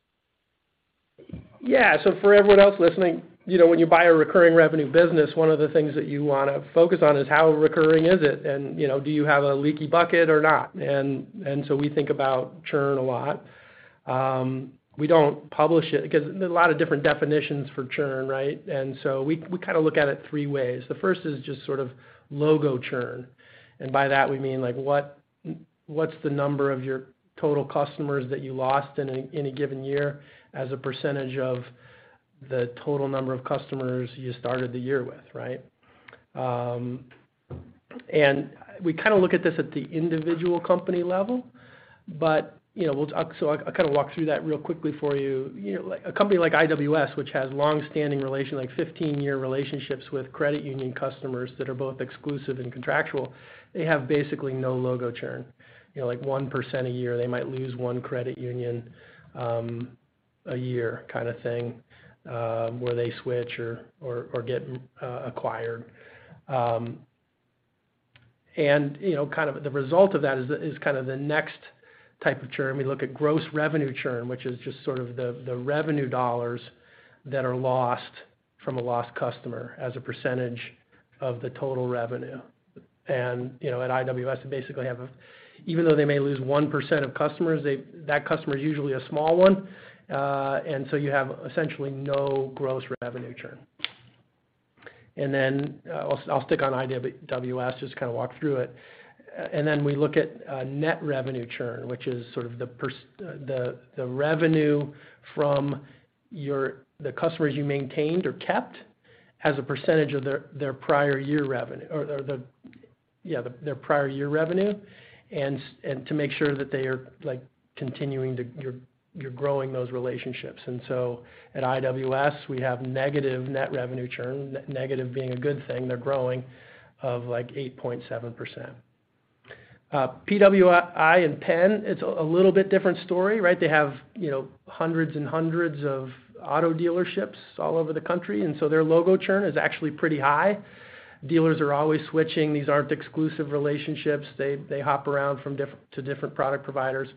[SPEAKER 2] Yeah. For everyone else listening, you know, when you buy a recurring revenue business, one of the things that you wanna focus on is how recurring is it? You know, do you have a leaky bucket or not? So we think about churn a lot. We don't publish it 'cause there are a lot of different definitions for churn, right? We kind of look at it three ways. The first is just sort of logo churn. By that, we mean, like, what's the number of your total customers that you lost in a given year as a percentage of the total number of customers you started the year with, right? We kinda look at this at the individual company level. You know, I'll kind of walk through that real quickly for you. You know, a company like IWS, which has longstanding relationships, like 15-year relationships with credit union customers that are both exclusive and contractual, they have basically no logo churn. You know, like 1% a year, they might lose one credit union a year kind of thing, where they switch or get acquired. You know, kind of the result of that is kind of the next type of churn. We look at gross revenue churn, which is just sort of the revenue dollars that are lost from a lost customer as a percentage of the total revenue. You know, at IWS, they basically have even though they may lose 1% of customers, they that customer is usually a small one, so you have essentially no gross revenue churn. I'll stick on IWS, just kind of walk through it. We look at net revenue churn, which is sort of the revenue from the customers you maintained or kept as a percentage of their prior year revenue. To make sure that they are, like, continuing to grow those relationships. At IWS, we have negative net revenue churn. Negative being a good thing. They're growing at like 8.7%. PWI and Penn, it's a little bit different story, right? They have, you know, hundreds and hundreds of auto dealerships all over the country, and so their logo churn is actually pretty high. Dealers are always switching. These aren't exclusive relationships. They hop around to different product providers.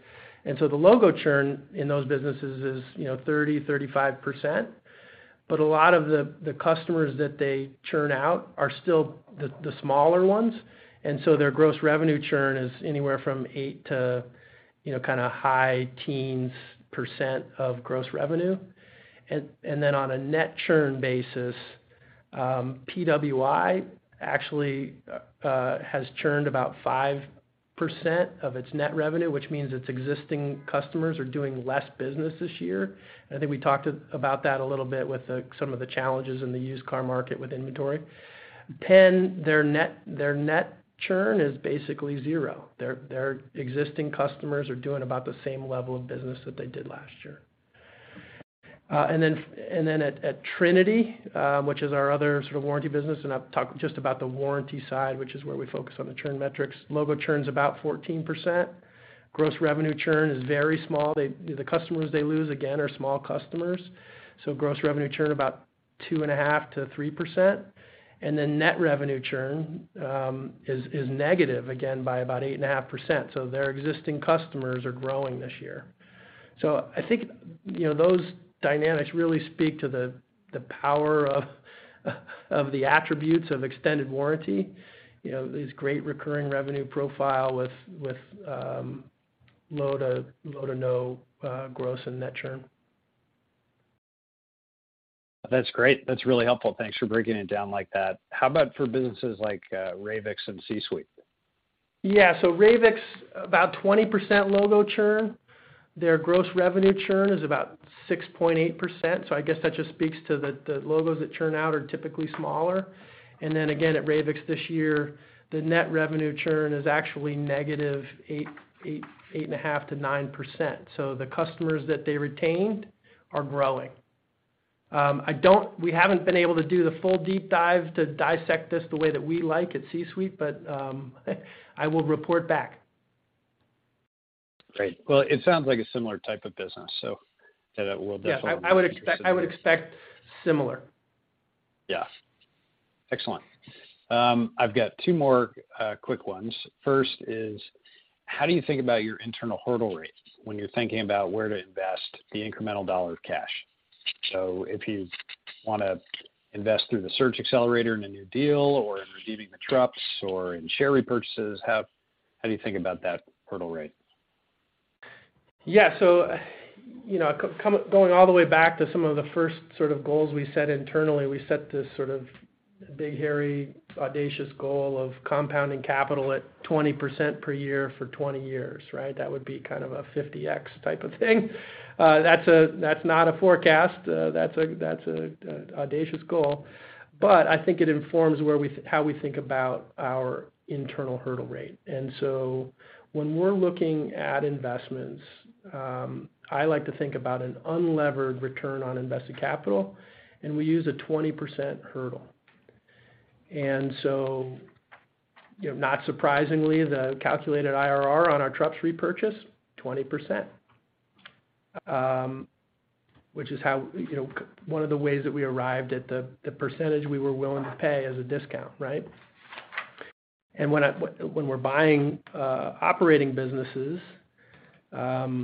[SPEAKER 2] The logo churn in those businesses is 30%-35%. A lot of the customers that they churn out are still the smaller ones. Their gross revenue churn is anywhere from 8% to, you know, kind of high teens% of gross revenue. On a net churn basis, PWI actually has churned about 5% of its net revenue, which means its existing customers are doing less business this year. I think we talked about that a little bit with some of the challenges in the used car market with inventory. Penn, their net churn is basically zero. Their existing customers are doing about the same level of business that they did last year. At Trinity, which is our other sort of warranty business, I'll talk just about the warranty side, which is where we focus on the churn metrics. Logo churn's about 14%. Gross revenue churn is very small. The customers they lose, again, are small customers. Gross revenue churn about 2.5%-3%. Net revenue churn is negative, again, by about 8.5%. Their existing customers are growing this year. I think those dynamics really speak to the power of the attributes of extended warranty. These great recurring revenue profile with low to no gross and net churn.
[SPEAKER 6] That's great. That's really helpful. Thanks for breaking it down like that. How about for businesses like Ravix and CSuite?
[SPEAKER 2] Yeah. Ravix, about 20% logo churn. Their gross revenue churn is about 6.8%. I guess that just speaks to the logos that churn out are typically smaller. Again, at Ravix this year, the net revenue churn is actually -8.5%-9%. The customers that they retained are growing. We haven't been able to do the full deep dive to dissect this the way that we like at CSuite, but I will report back.
[SPEAKER 6] Great. Well, it sounds like a similar type of business, so that we'll definitely.
[SPEAKER 2] Yeah. I would expect similar.
[SPEAKER 6] Excellent. I've got two more quick ones. First is, how do you think about your internal hurdle rate when you're thinking about where to invest the incremental dollar of cash? If you wanna invest through the Kingsway Search Xcelerator in a new deal or in redeeming the TRUPS or in share repurchases, how do you think about that hurdle rate?
[SPEAKER 2] Yeah, you know, going all the way back to some of the first sort of goals we set internally, we set this sort of big, hairy, audacious goal of compounding capital at 20% per year for 20 years, right? That would be kind of a 50x type of thing. That's not a forecast. That's an audacious goal. I think it informs how we think about our internal hurdle rate. When we're looking at investments, I like to think about an unlevered return on invested capital, and we use a 20% hurdle. You know, not surprisingly, the calculated IRR on our TRUPS repurchase, 20%. Which is how, you know, one of the ways that we arrived at the percentage we were willing to pay as a discount, right? When we're buying operating businesses, you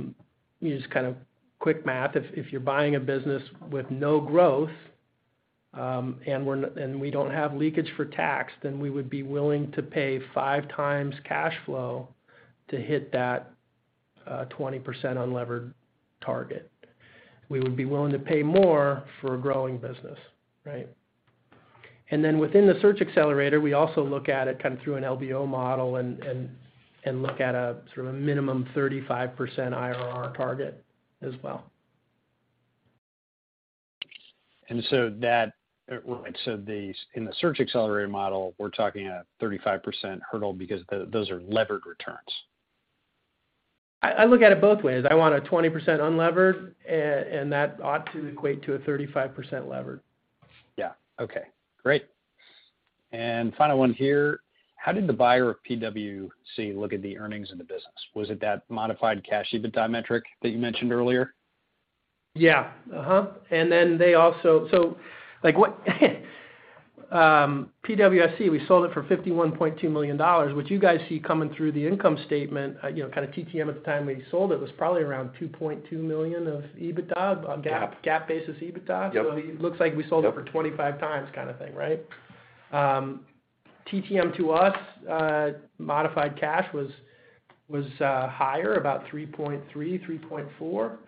[SPEAKER 2] just kind of quick math, if you're buying a business with no growth, and we don't have leakage for tax, then we would be willing to pay five times cash flow to hit that 20% unlevered target. We would be willing to pay more for a growing business, right? Then within the search accelerator, we also look at it kind of through an LBO model and look at a sort of minimum 35% IRR target as well.
[SPEAKER 6] In the search accelerator model, we're talking a 35% hurdle because those are levered returns.
[SPEAKER 2] I look at it both ways. I want a 20% unlevered, and that ought to equate to a 35% levered.
[SPEAKER 6] Yeah. Okay, great. Final one here. How did the buyer of PWSC look at the earnings in the business? Was it that modified cash EBITDA metric that you mentioned earlier?
[SPEAKER 2] PWSC, we sold it for $51.2 million. What you guys see coming through the income statement, you know, kind of TTM at the time we sold it, was probably around $2.2 million of EBITDA on GAAP.
[SPEAKER 6] Yeah.
[SPEAKER 2] GAAP-based EBITDA.
[SPEAKER 6] Yep.
[SPEAKER 2] It looks like we sold it for 25x kind of thing, right? TTM to us, modified cash was higher, about $3.3-$3.4 million.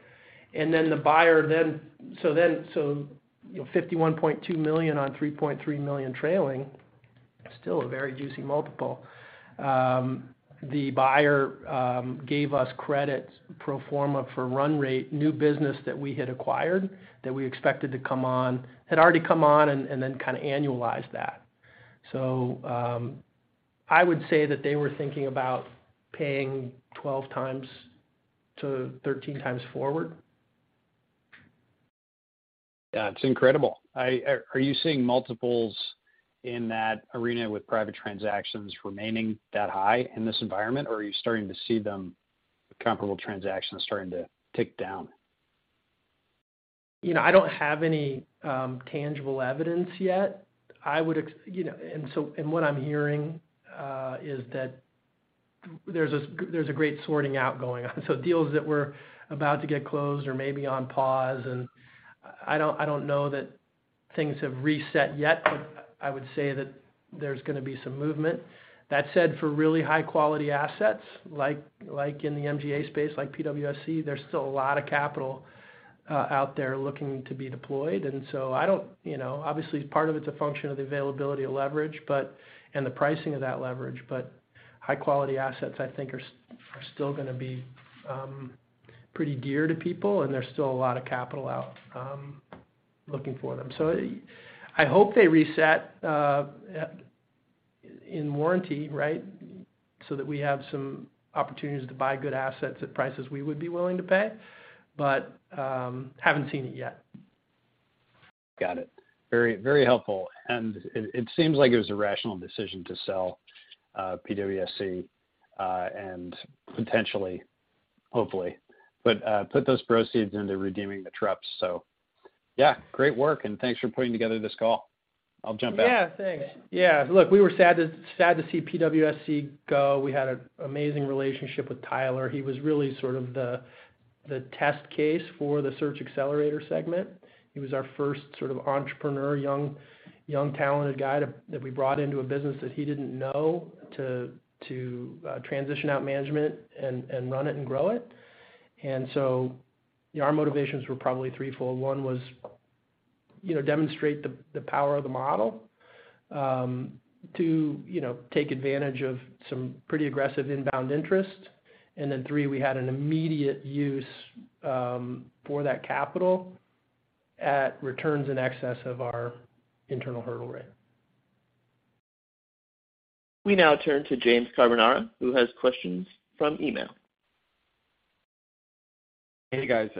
[SPEAKER 2] The buyer, you know, $51.2 million on $3.3 million trailing, still a very juicy multiple. The buyer gave us credit pro forma for run rate, new business that we had acquired that we expected to come on, had already come on and then kind of annualized that. I would say that they were thinking about paying 12x-13x forward.
[SPEAKER 6] Yeah. It's incredible. Are you seeing multiples in that arena with private transactions remaining that high in this environment, or are you starting to see the comparable transactions starting to tick down?
[SPEAKER 2] You know, I don't have any tangible evidence yet. You know, and what I'm hearing is that there's a great sorting out going on. Deals that were about to get closed or maybe on pause, and I don't know that things have reset yet, but I would say that there's gonna be some movement. That said, for really high-quality assets, like in the MGA space, like PWSC, there's still a lot of capital out there looking to be deployed. I don't, you know—obviously, part of it's a function of the availability of leverage, and the pricing of that leverage, but high-quality assets I think are still gonna be pretty dear to people, and there's still a lot of capital out looking for them. I hope they reset in warranty, right, so that we have some opportunities to buy good assets at prices we would be willing to pay, but haven't seen it yet.
[SPEAKER 6] Got it. Very, very helpful. It seems like it was a rational decision to sell PWSC and potentially, hopefully, put those proceeds into redeeming the TRUPS. Yeah, great work, and thanks for putting together this call. I'll jump back.
[SPEAKER 2] Yeah, thanks. Yeah, look, we were sad to see PWSC go. We had an amazing relationship with Tyler. He was really sort of the test case for the search accelerator segment. He was our first sort of entrepreneur, young talented guy that we brought into a business that he didn't know to transition out management and run it and grow it. You know, our motivations were probably threefold. One was, you know, demonstrate the power of the model. Two, you know, take advantage of some pretty aggressive inbound interest. Three, we had an immediate use for that capital at returns in excess of our internal hurdle rate.
[SPEAKER 1] We now turn to James Carbonara, who has questions from email.
[SPEAKER 7] Hey, guys.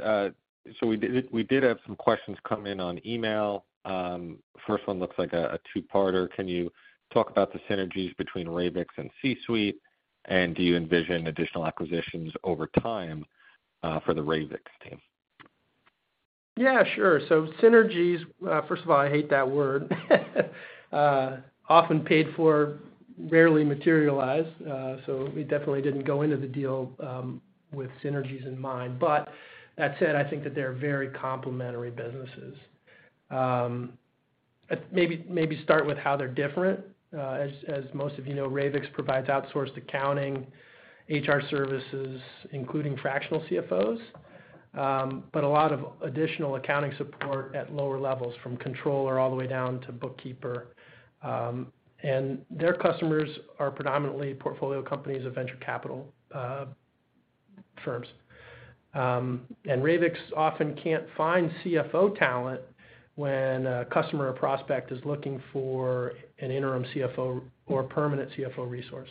[SPEAKER 7] We did have some questions come in on email. First one looks like a two-parter. Can you talk about the synergies between Ravix and CSuite? And do you envision additional acquisitions over time, for the Ravix team?
[SPEAKER 2] Yeah, sure. Synergies, first of all, I hate that word. Often paid for, rarely materialized. We definitely didn't go into the deal with synergies in mind. That said, I think that they're very complementary businesses. Maybe start with how they're different. As most of you know, Ravix provides outsourced accounting, HR services, including fractional CFOs. A lot of additional accounting support at lower levels, from controller all the way down to bookkeeper. Their customers are predominantly portfolio companies of venture capital firms. Ravix often can't find CFO talent when a customer or prospect is looking for an interim CFO or permanent CFO resource.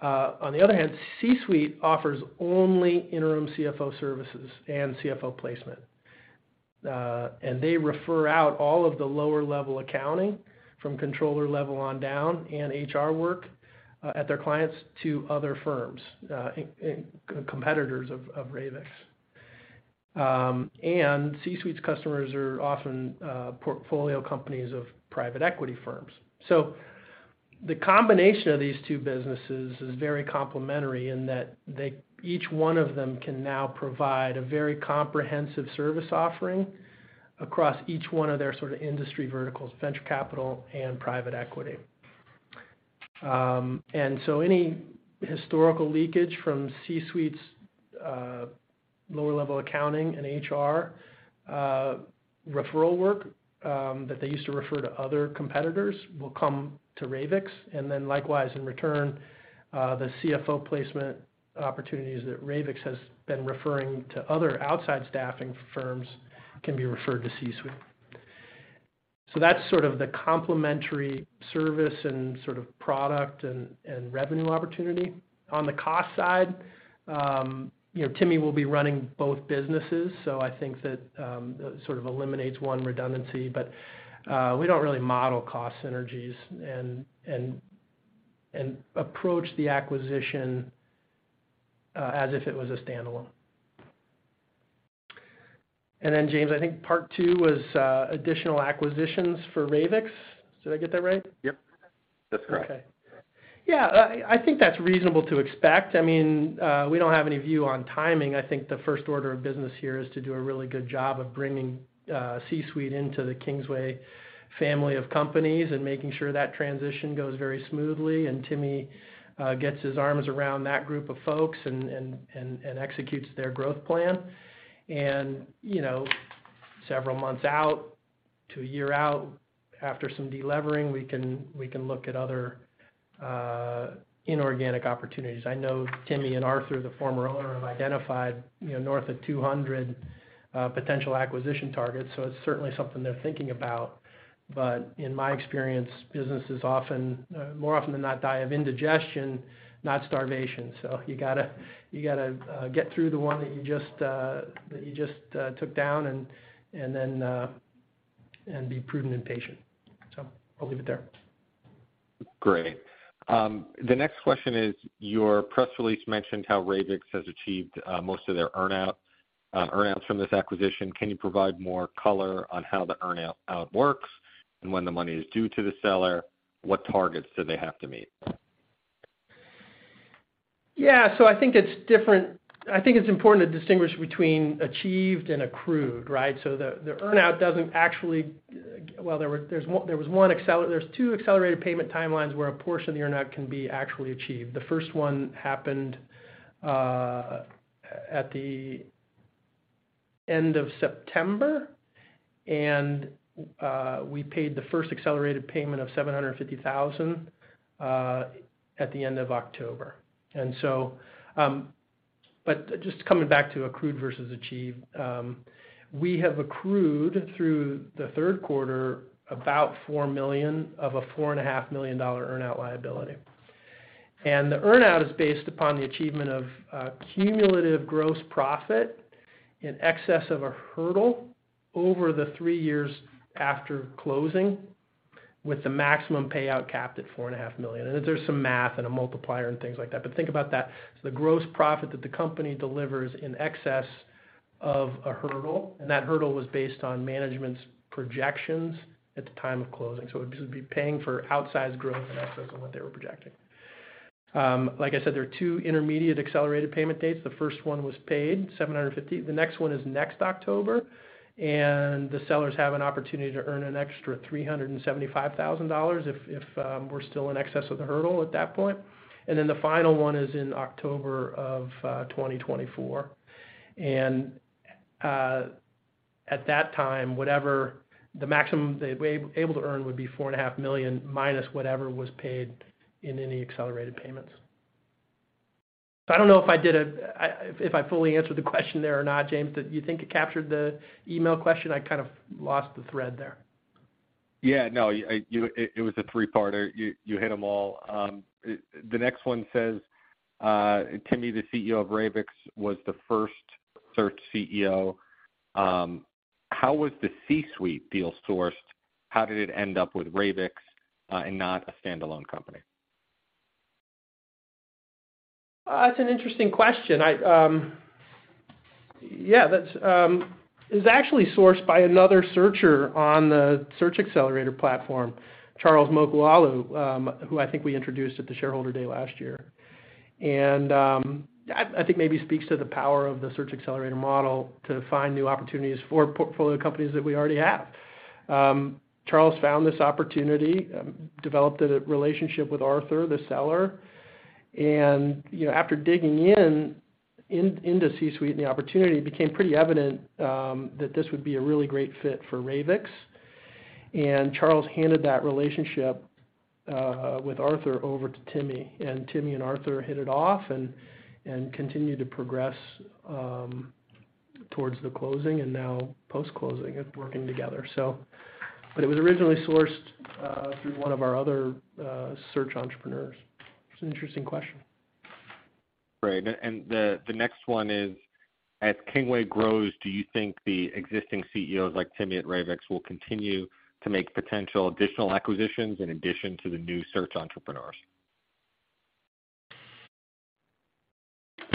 [SPEAKER 2] On the other hand, CSuite offers only interim CFO services and CFO placement. They refer out all of the lower-level accounting from controller level on down and HR work at their clients to other firms, competitors of Ravix. CSuite's customers are often portfolio companies of private equity firms. The combination of these two businesses is very complementary in that they each one of them can now provide a very comprehensive service offering across each one of their sort of industry verticals, venture capital and private equity. Any historical leakage from CSuite's lower level accounting and HR referral work that they used to refer to other competitors will come to Ravix. Then likewise, in return, the CFO placement opportunities that Ravix has been referring to other outside staffing firms can be referred to CSuite. That's sort of the complementary service and sort of product and revenue opportunity. On the cost side, you know, Timmy will be running both businesses, so I think that sort of eliminates one redundancy. We don't really model cost synergies and approach the acquisition as if it was a standalone. Then James, I think part two was additional acquisitions for Ravix. Did I get that right?
[SPEAKER 7] Yep, that's correct.
[SPEAKER 2] Okay. Yeah, I think that's reasonable to expect. I mean, we don't have any view on timing. I think the first order of business here is to do a really good job of bringing CSuite into the Kingsway family of companies and making sure that transition goes very smoothly and Timmy gets his arms around that group of folks and executes their growth plan. You know, several months out to a year out, after some delevering, we can look at other inorganic opportunities. I know Timmy and Arthur, the former owner, have identified, you know, north of 200 potential acquisition targets. It's certainly something they're thinking about. In my experience, businesses often more often than not die of indigestion, not starvation. You gotta get through the one that you just took down and then be prudent and patient. I'll leave it there.
[SPEAKER 7] Great. The next question is, your press release mentioned how Ravix has achieved most of their earnouts from this acquisition. Can you provide more color on how the earnout works and when the money is due to the seller? What targets do they have to meet?
[SPEAKER 2] Yeah. I think it's important to distinguish between achieved and accrued, right? There are two accelerated payment timelines where a portion of the earn-out can be actually achieved. The first one happened at the end of September, and we paid the first accelerated payment of $750,000 at the end of October. Just coming back to accrued versus achieved, we have accrued through the third quarter about $4 million of a $4.5 million earn-out liability. The earn-out is based upon the achievement of a cumulative gross profit in excess of a hurdle over the three years after closing, with the maximum payout capped at $4.5 million. There's some math and a multiplier and things like that. Think about that. The gross profit that the company delivers in excess of a hurdle, and that hurdle was based on management's projections at the time of closing. It would just be paying for outsized growth in excess of what they were projecting. Like I said, there are two intermediate accelerated payment dates. The first one was paid $750. The next one is next October, and the sellers have an opportunity to earn an extra $375,000 if we're still in excess of the hurdle at that point. The final one is in October of 2024. At that time, whatever the maximum they'd be able to earn would be $4.5 million, minus whatever was paid in any accelerated payments. I don't know if I fully answered the question there or not, James. Do you think it captured the email question? I kind of lost the thread there.
[SPEAKER 7] Yeah, no, it was a three-parter. You hit them all. The next one says, "Timi, the CEO of Ravix, was the first search CEO. How was the CSuite deal sourced? How did it end up with Ravix, and not a standalone company?
[SPEAKER 2] That's an interesting question. It was actually sourced by another searcher on the search accelerator platform, Charles Moghalu, who I think we introduced at the shareholder day last year. I think maybe speaks to the power of the search accelerator model to find new opportunities for portfolio companies that we already have. Charles found this opportunity, developed a relationship with Arthur, the seller. You know, after digging into CSuite and the opportunity, it became pretty evident that this would be a really great fit for Ravix. Charles handed that relationship with Arthur over to Timmy. Timmy and Arthur hit it off and continued to progress towards the closing and now post-closing and working together. But it was originally sourced through one of our other search entrepreneurs. It's an interesting question.
[SPEAKER 7] Great. The next one is: As Kingsway grows, do you think the existing CEOs, like Taminy at Ravix, will continue to make potential additional acquisitions in addition to the new search entrepreneurs?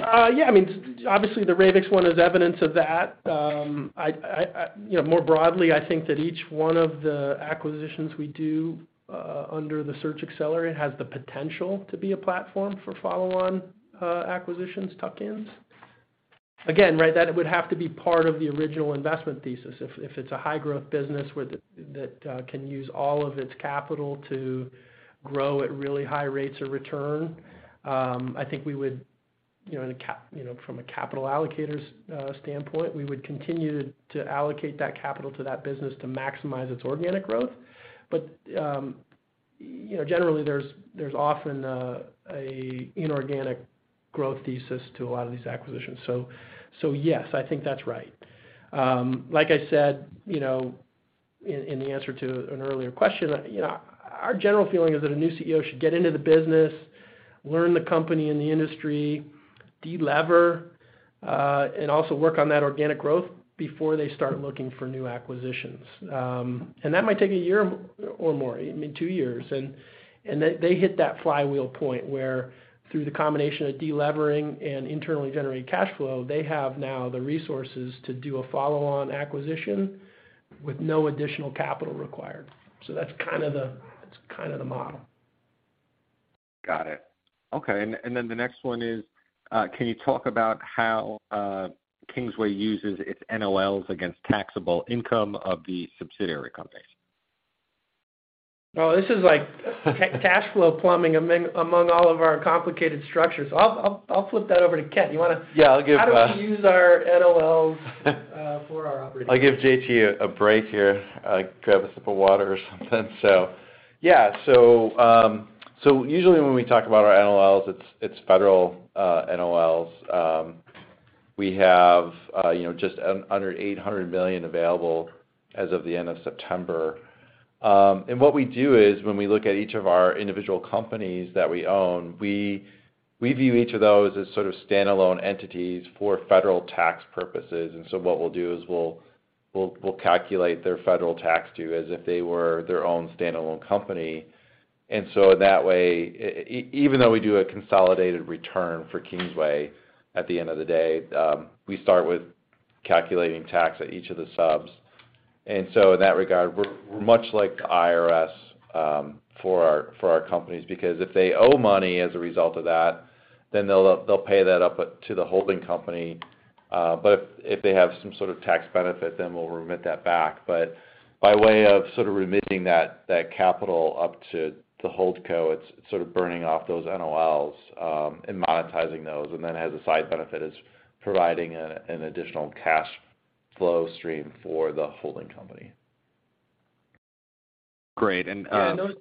[SPEAKER 2] Yeah, I mean, obviously the Ravix one is evidence of that. You know, more broadly, I think that each one of the acquisitions we do under the search accelerator has the potential to be a platform for follow-on acquisitions, tuck-ins. Again, right, that would have to be part of the original investment thesis. If it's a high-growth business that can use all of its capital to grow at really high rates of return, I think we would, you know, from a capital allocators standpoint, we would continue to allocate that capital to that business to maximize its organic growth. You know, generally there's often a inorganic growth thesis to a lot of these acquisitions. Yes, I think that's right. Like I said, you know, in the answer to an earlier question, you know, our general feeling is that a new CEO should get into the business, learn the company and the industry, delever, and also work on that organic growth before they start looking for new acquisitions. That might take a year or more, I mean, two years. They hit that flywheel point, where through the combination of delevering and internally generating cash flow, they have now the resources to do a follow-on acquisition with no additional capital required. That's kind of the model.
[SPEAKER 7] Got it. Okay. The next one is, can you talk about how Kingsway uses its NOLs against taxable income of the subsidiary companies?
[SPEAKER 2] Oh, this is like cash flow plumbing among all of our complicated structures. I'll flip that over to Kent. You wanna-
[SPEAKER 3] Yeah, I'll give.
[SPEAKER 2] How do we use our NOLs for our operating?
[SPEAKER 3] I'll give J.T. a break here, grab a sip of water or something. Yeah. Usually when we talk about our NOLs, it's federal NOLs. We have, you know, just under $800 million available as of the end of September. What we do is when we look at each of our individual companies that we own, we view each of those as sort of standalone entities for federal tax purposes. What we'll do is we'll calculate their federal tax due as if they were their own standalone company. In that way, even though we do a consolidated return for Kingsway, at the end of the day, we start with calculating tax at each of the subs. In that regard, we're much like the IRS for our companies, because if they owe money as a result of that. They'll pay that up to the holding company. If they have some sort of tax benefit, then we'll remit that back. By way of sort of remitting that capital up to holdco, it's sort of burning off those NOLs and monetizing those, and then as a side benefit is providing an additional cash flow stream for the holding company.
[SPEAKER 7] Great.
[SPEAKER 2] Those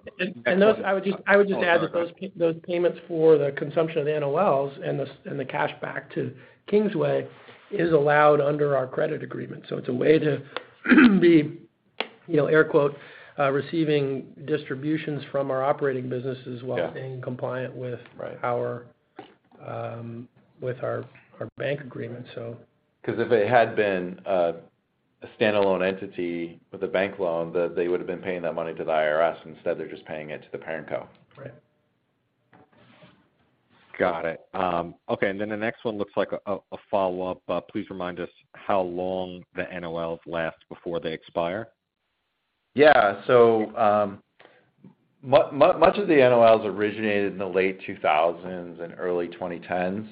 [SPEAKER 2] payments for the consumption of the NOLs and the cash back to Kingsway is allowed under our credit agreement. It's a way to be, you know, air quote, receiving distributions from our operating business as well.
[SPEAKER 7] Yeah
[SPEAKER 2] being compliant with.
[SPEAKER 7] Right
[SPEAKER 2] with our bank agreement, so.
[SPEAKER 3] 'Cause if it had been a standalone entity with a bank loan, they would have been paying that money to the IRS. Instead, they're just paying it to the parent co.
[SPEAKER 2] Right.
[SPEAKER 7] Got it. Okay. The next one looks like a follow-up. Please remind us how long the NOLs last before they expire.
[SPEAKER 3] Yeah. Much of the NOLs originated in the late 2000s and early 2010s.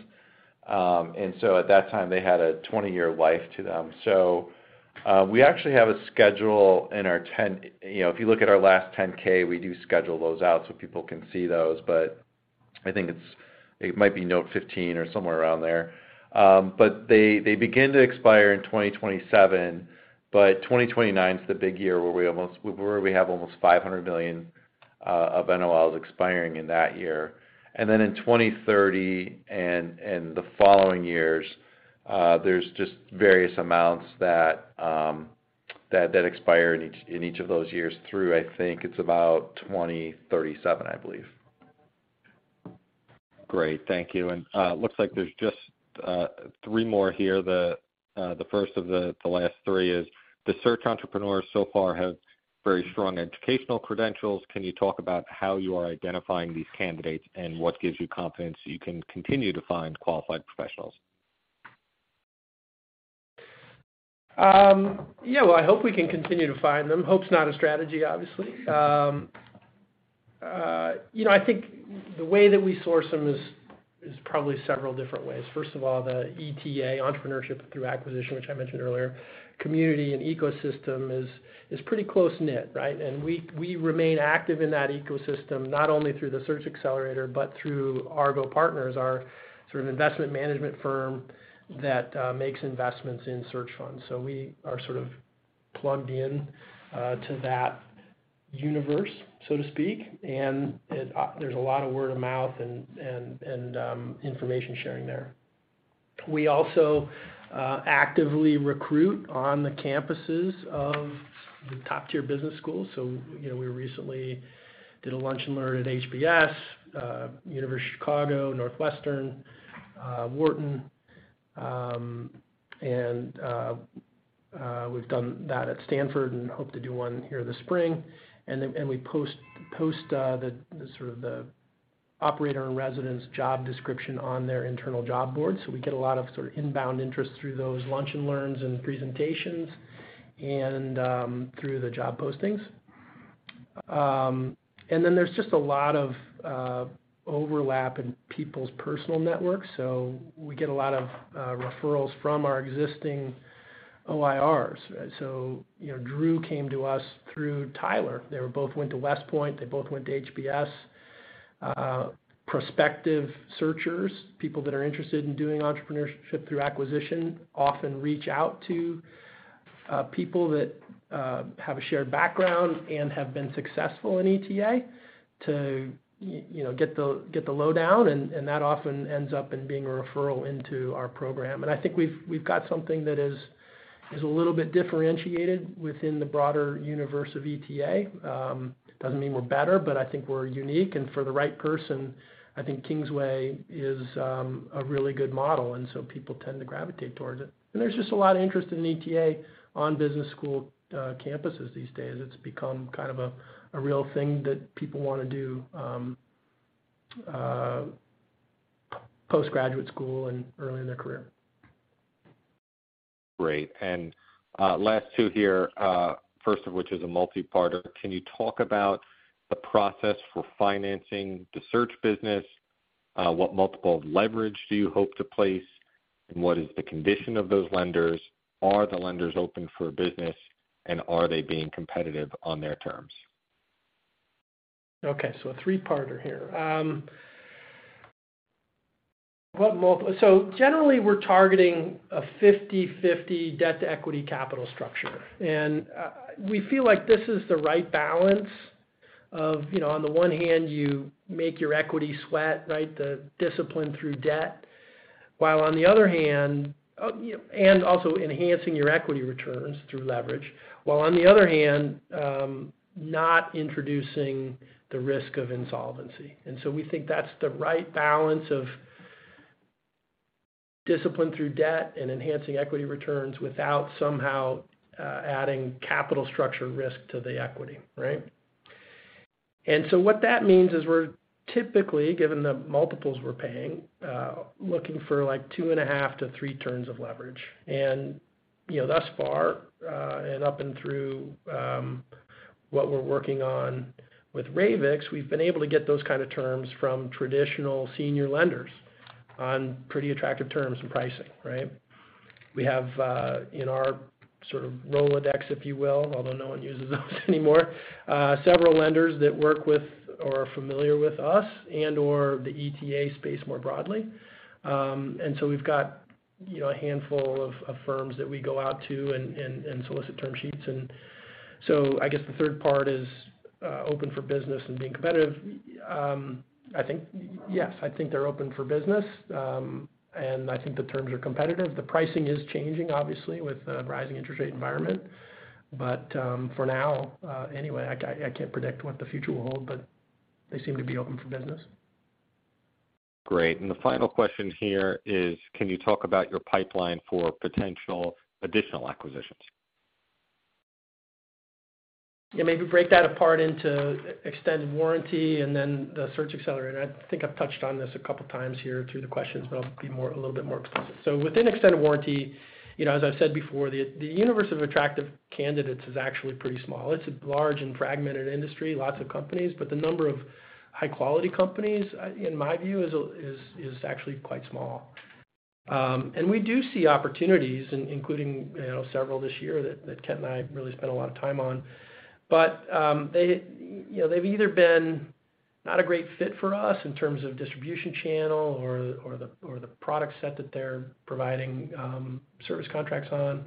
[SPEAKER 3] At that time, they had a 20-year life to them. We actually have a schedule in our 10-K. You know, if you look at our last 10-K, we do schedule those out so people can see those. But I think it's note 15 or somewhere around there. They begin to expire in 2027, but 2029 is the big year where we have almost $500 million of NOLs expiring in that year. Then in 2030 and the following years, there's just various amounts that expire in each of those years through 2037, I believe.
[SPEAKER 7] Great. Thank you. Looks like there's just three more here. The first of the last three is the search entrepreneurs so far have very strong educational credentials. Can you talk about how you are identifying these candidates and what gives you confidence you can continue to find qualified professionals?
[SPEAKER 2] Yeah. Well, I hope we can continue to find them. Hope's not a strategy, obviously. You know, I think the way that we source them is probably several different ways. First of all, the ETA, entrepreneurship through acquisition, which I mentioned earlier, community and ecosystem is pretty close-knit, right? We remain active in that ecosystem, not only through the search accelerator, but through Argo Management Group, our sort of investment management firm that makes investments in search funds. We are sort of plugged in to that universe, so to speak. There's a lot of word of mouth and information sharing there. We also actively recruit on the campuses of the top-tier business schools. You know, we recently did a lunch and learn at HBS, University of Chicago, Northwestern, Wharton. We've done that at Stanford and hope to do one here this spring. We post sort of the operator in residence job description on their internal job board. We get a lot of sort of inbound interest through those lunch and learns and presentations and through the job postings. There's just a lot of overlap in people's personal networks, so we get a lot of referrals from our existing OIRs. You know, Drew came to us through Tyler. They both went to West Point, they both went to HBS. Prospective searchers, people that are interested in doing entrepreneurship through acquisition, often reach out to people that have a shared background and have been successful in ETA to you know get the lowdown, and that often ends up in being a referral into our program. I think we've got something that is a little bit differentiated within the broader universe of ETA. It doesn't mean we're better, but I think we're unique. For the right person, I think Kingsway is a really good model, and so people tend to gravitate towards it. There's just a lot of interest in ETA on business school campuses these days. It's become kind of a real thing that people wanna do post graduate school and early in their career.
[SPEAKER 7] Great. Last two here, first of which is a multi-parter. Can you talk about the process for financing the search business? What multiple leverage do you hope to place, and what is the condition of those lenders? Are the lenders open for business, and are they being competitive on their terms?
[SPEAKER 2] Okay, a three-parter here. Generally, we're targeting a 50/50 debt-to-equity capital structure. We feel like this is the right balance of, you know, on the one hand, you make your equity sweat, right, the discipline through debt. On the other hand, you know, also enhancing your equity returns through leverage. On the other hand, not introducing the risk of insolvency. We think that's the right balance of discipline through debt and enhancing equity returns without somehow adding capital structure risk to the equity, right? What that means is we're typically, given the multiples we're paying, looking for like 2.5 to three turns of leverage. You know, thus far, and up and through what we're working on with Ravix, we've been able to get those kind of terms from traditional senior lenders on pretty attractive terms and pricing, right? We have, in our sort of Rolodex, if you will, although no one uses those anymore, several lenders that work with or are familiar with us and/or the ETA space more broadly. We've got, you know, a handful of firms that we go out to and solicit term sheets. I guess the third part is open for business and being competitive. I think. Yes, I think they're open for business, and I think the terms are competitive. The pricing is changing, obviously, with the rising interest rate environment. For now, I can't predict what the future will hold, but they seem to be open for business.
[SPEAKER 7] Great. The final question here is, can you talk about your pipeline for potential additional acquisitions?
[SPEAKER 2] Yeah, maybe break that apart into extended warranty and then the search accelerator. I think I've touched on this a couple times here through the questions, but I'll be a little bit more explicit. Within extended warranty, you know, as I've said before, the universe of attractive candidates is actually pretty small. It's a large and fragmented industry, lots of companies, but the number of high-quality companies in my view is actually quite small. We do see opportunities including, you know, several this year that Kent and I really spent a lot of time on. They, you know, they've either been not a great fit for us in terms of distribution channel or the product set that they're providing service contracts on.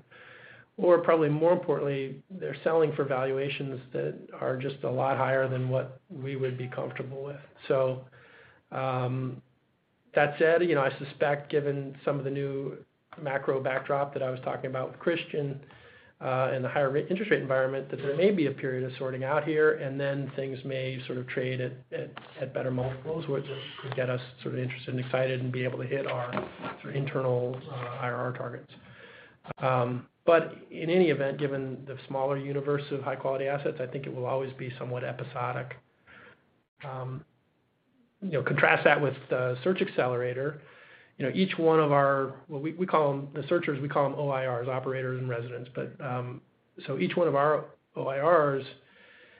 [SPEAKER 2] Probably more importantly, they're selling for valuations that are just a lot higher than what we would be comfortable with. That said, you know, I suspect given some of the new macro backdrop that I was talking about with Christian, and the higher interest rate environment, that there may be a period of sorting out here, and then things may sort of trade at better multiples, which could get us sort of interested and excited and be able to hit our sort of internal IRR targets. But in any event, given the smaller universe of high-quality assets, I think it will always be somewhat episodic. You know, contrast that with the search accelerator. You know, each one of our searchers. We call them the searchers, we call them OIRs, operators in residence. Each one of our OIRs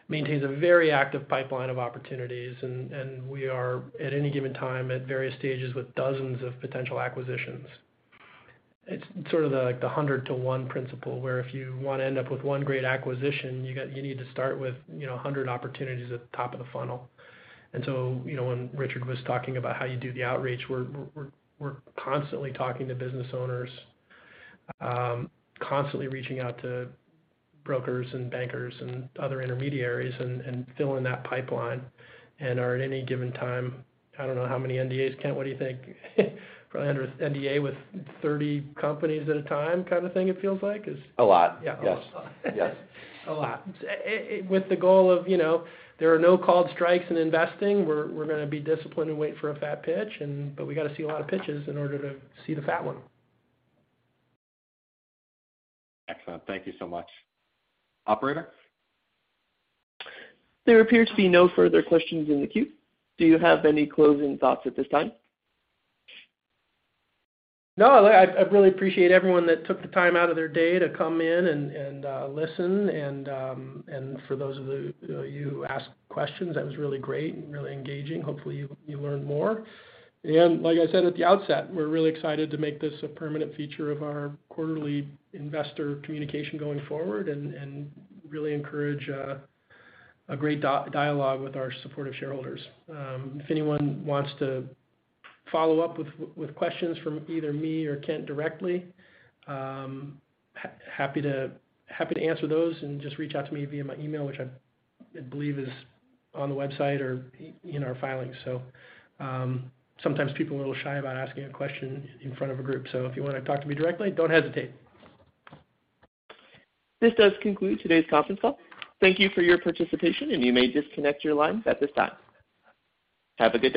[SPEAKER 2] maintains a very active pipeline of opportunities, and we are, at any given time, at various stages with dozens of potential acquisitions. It's sort of like the 100-to-1 principle, where if you wanna end up with one great acquisition, you need to start with, you know, 100 opportunities at the top of the funnel. You know, when Richard was talking about how you do the outreach, we're constantly talking to business owners, constantly reaching out to brokers and bankers and other intermediaries and filling that pipeline. We are at any given time, I don't know how many NDAs, Kent, what do you think? Probably 100 NDAs with 30 companies at a time kind of thing it feels like.
[SPEAKER 8] A lot.
[SPEAKER 2] Yeah.
[SPEAKER 7] Yes. Yes.
[SPEAKER 2] A lot. With the goal of, you know, there are no called strikes in investing. We're gonna be disciplined and wait for a fat pitch and, but we gotta see a lot of pitches in order to see the fat one.
[SPEAKER 7] Excellent. Thank you so much.
[SPEAKER 2] Operator?
[SPEAKER 1] There appears to be no further questions in the queue. Do you have any closing thoughts at this time?
[SPEAKER 2] No. I really appreciate everyone that took the time out of their day to come in and listen. For those of you who asked questions, that was really great and really engaging. Hopefully you learned more. Like I said at the outset, we're really excited to make this a permanent feature of our quarterly investor communication going forward and really encourage a great dialogue with our supportive shareholders. If anyone wants to follow up with questions to either me or Kent directly, happy to answer those and just reach out to me via my email, which I believe is on the website or in our filings. Sometimes people are a little shy about asking a question in front of a group. If you wanna talk to me directly, don't hesitate.
[SPEAKER 1] This does conclude today's conference call. Thank you for your participation, and you may disconnect your lines at this time. Have a good day.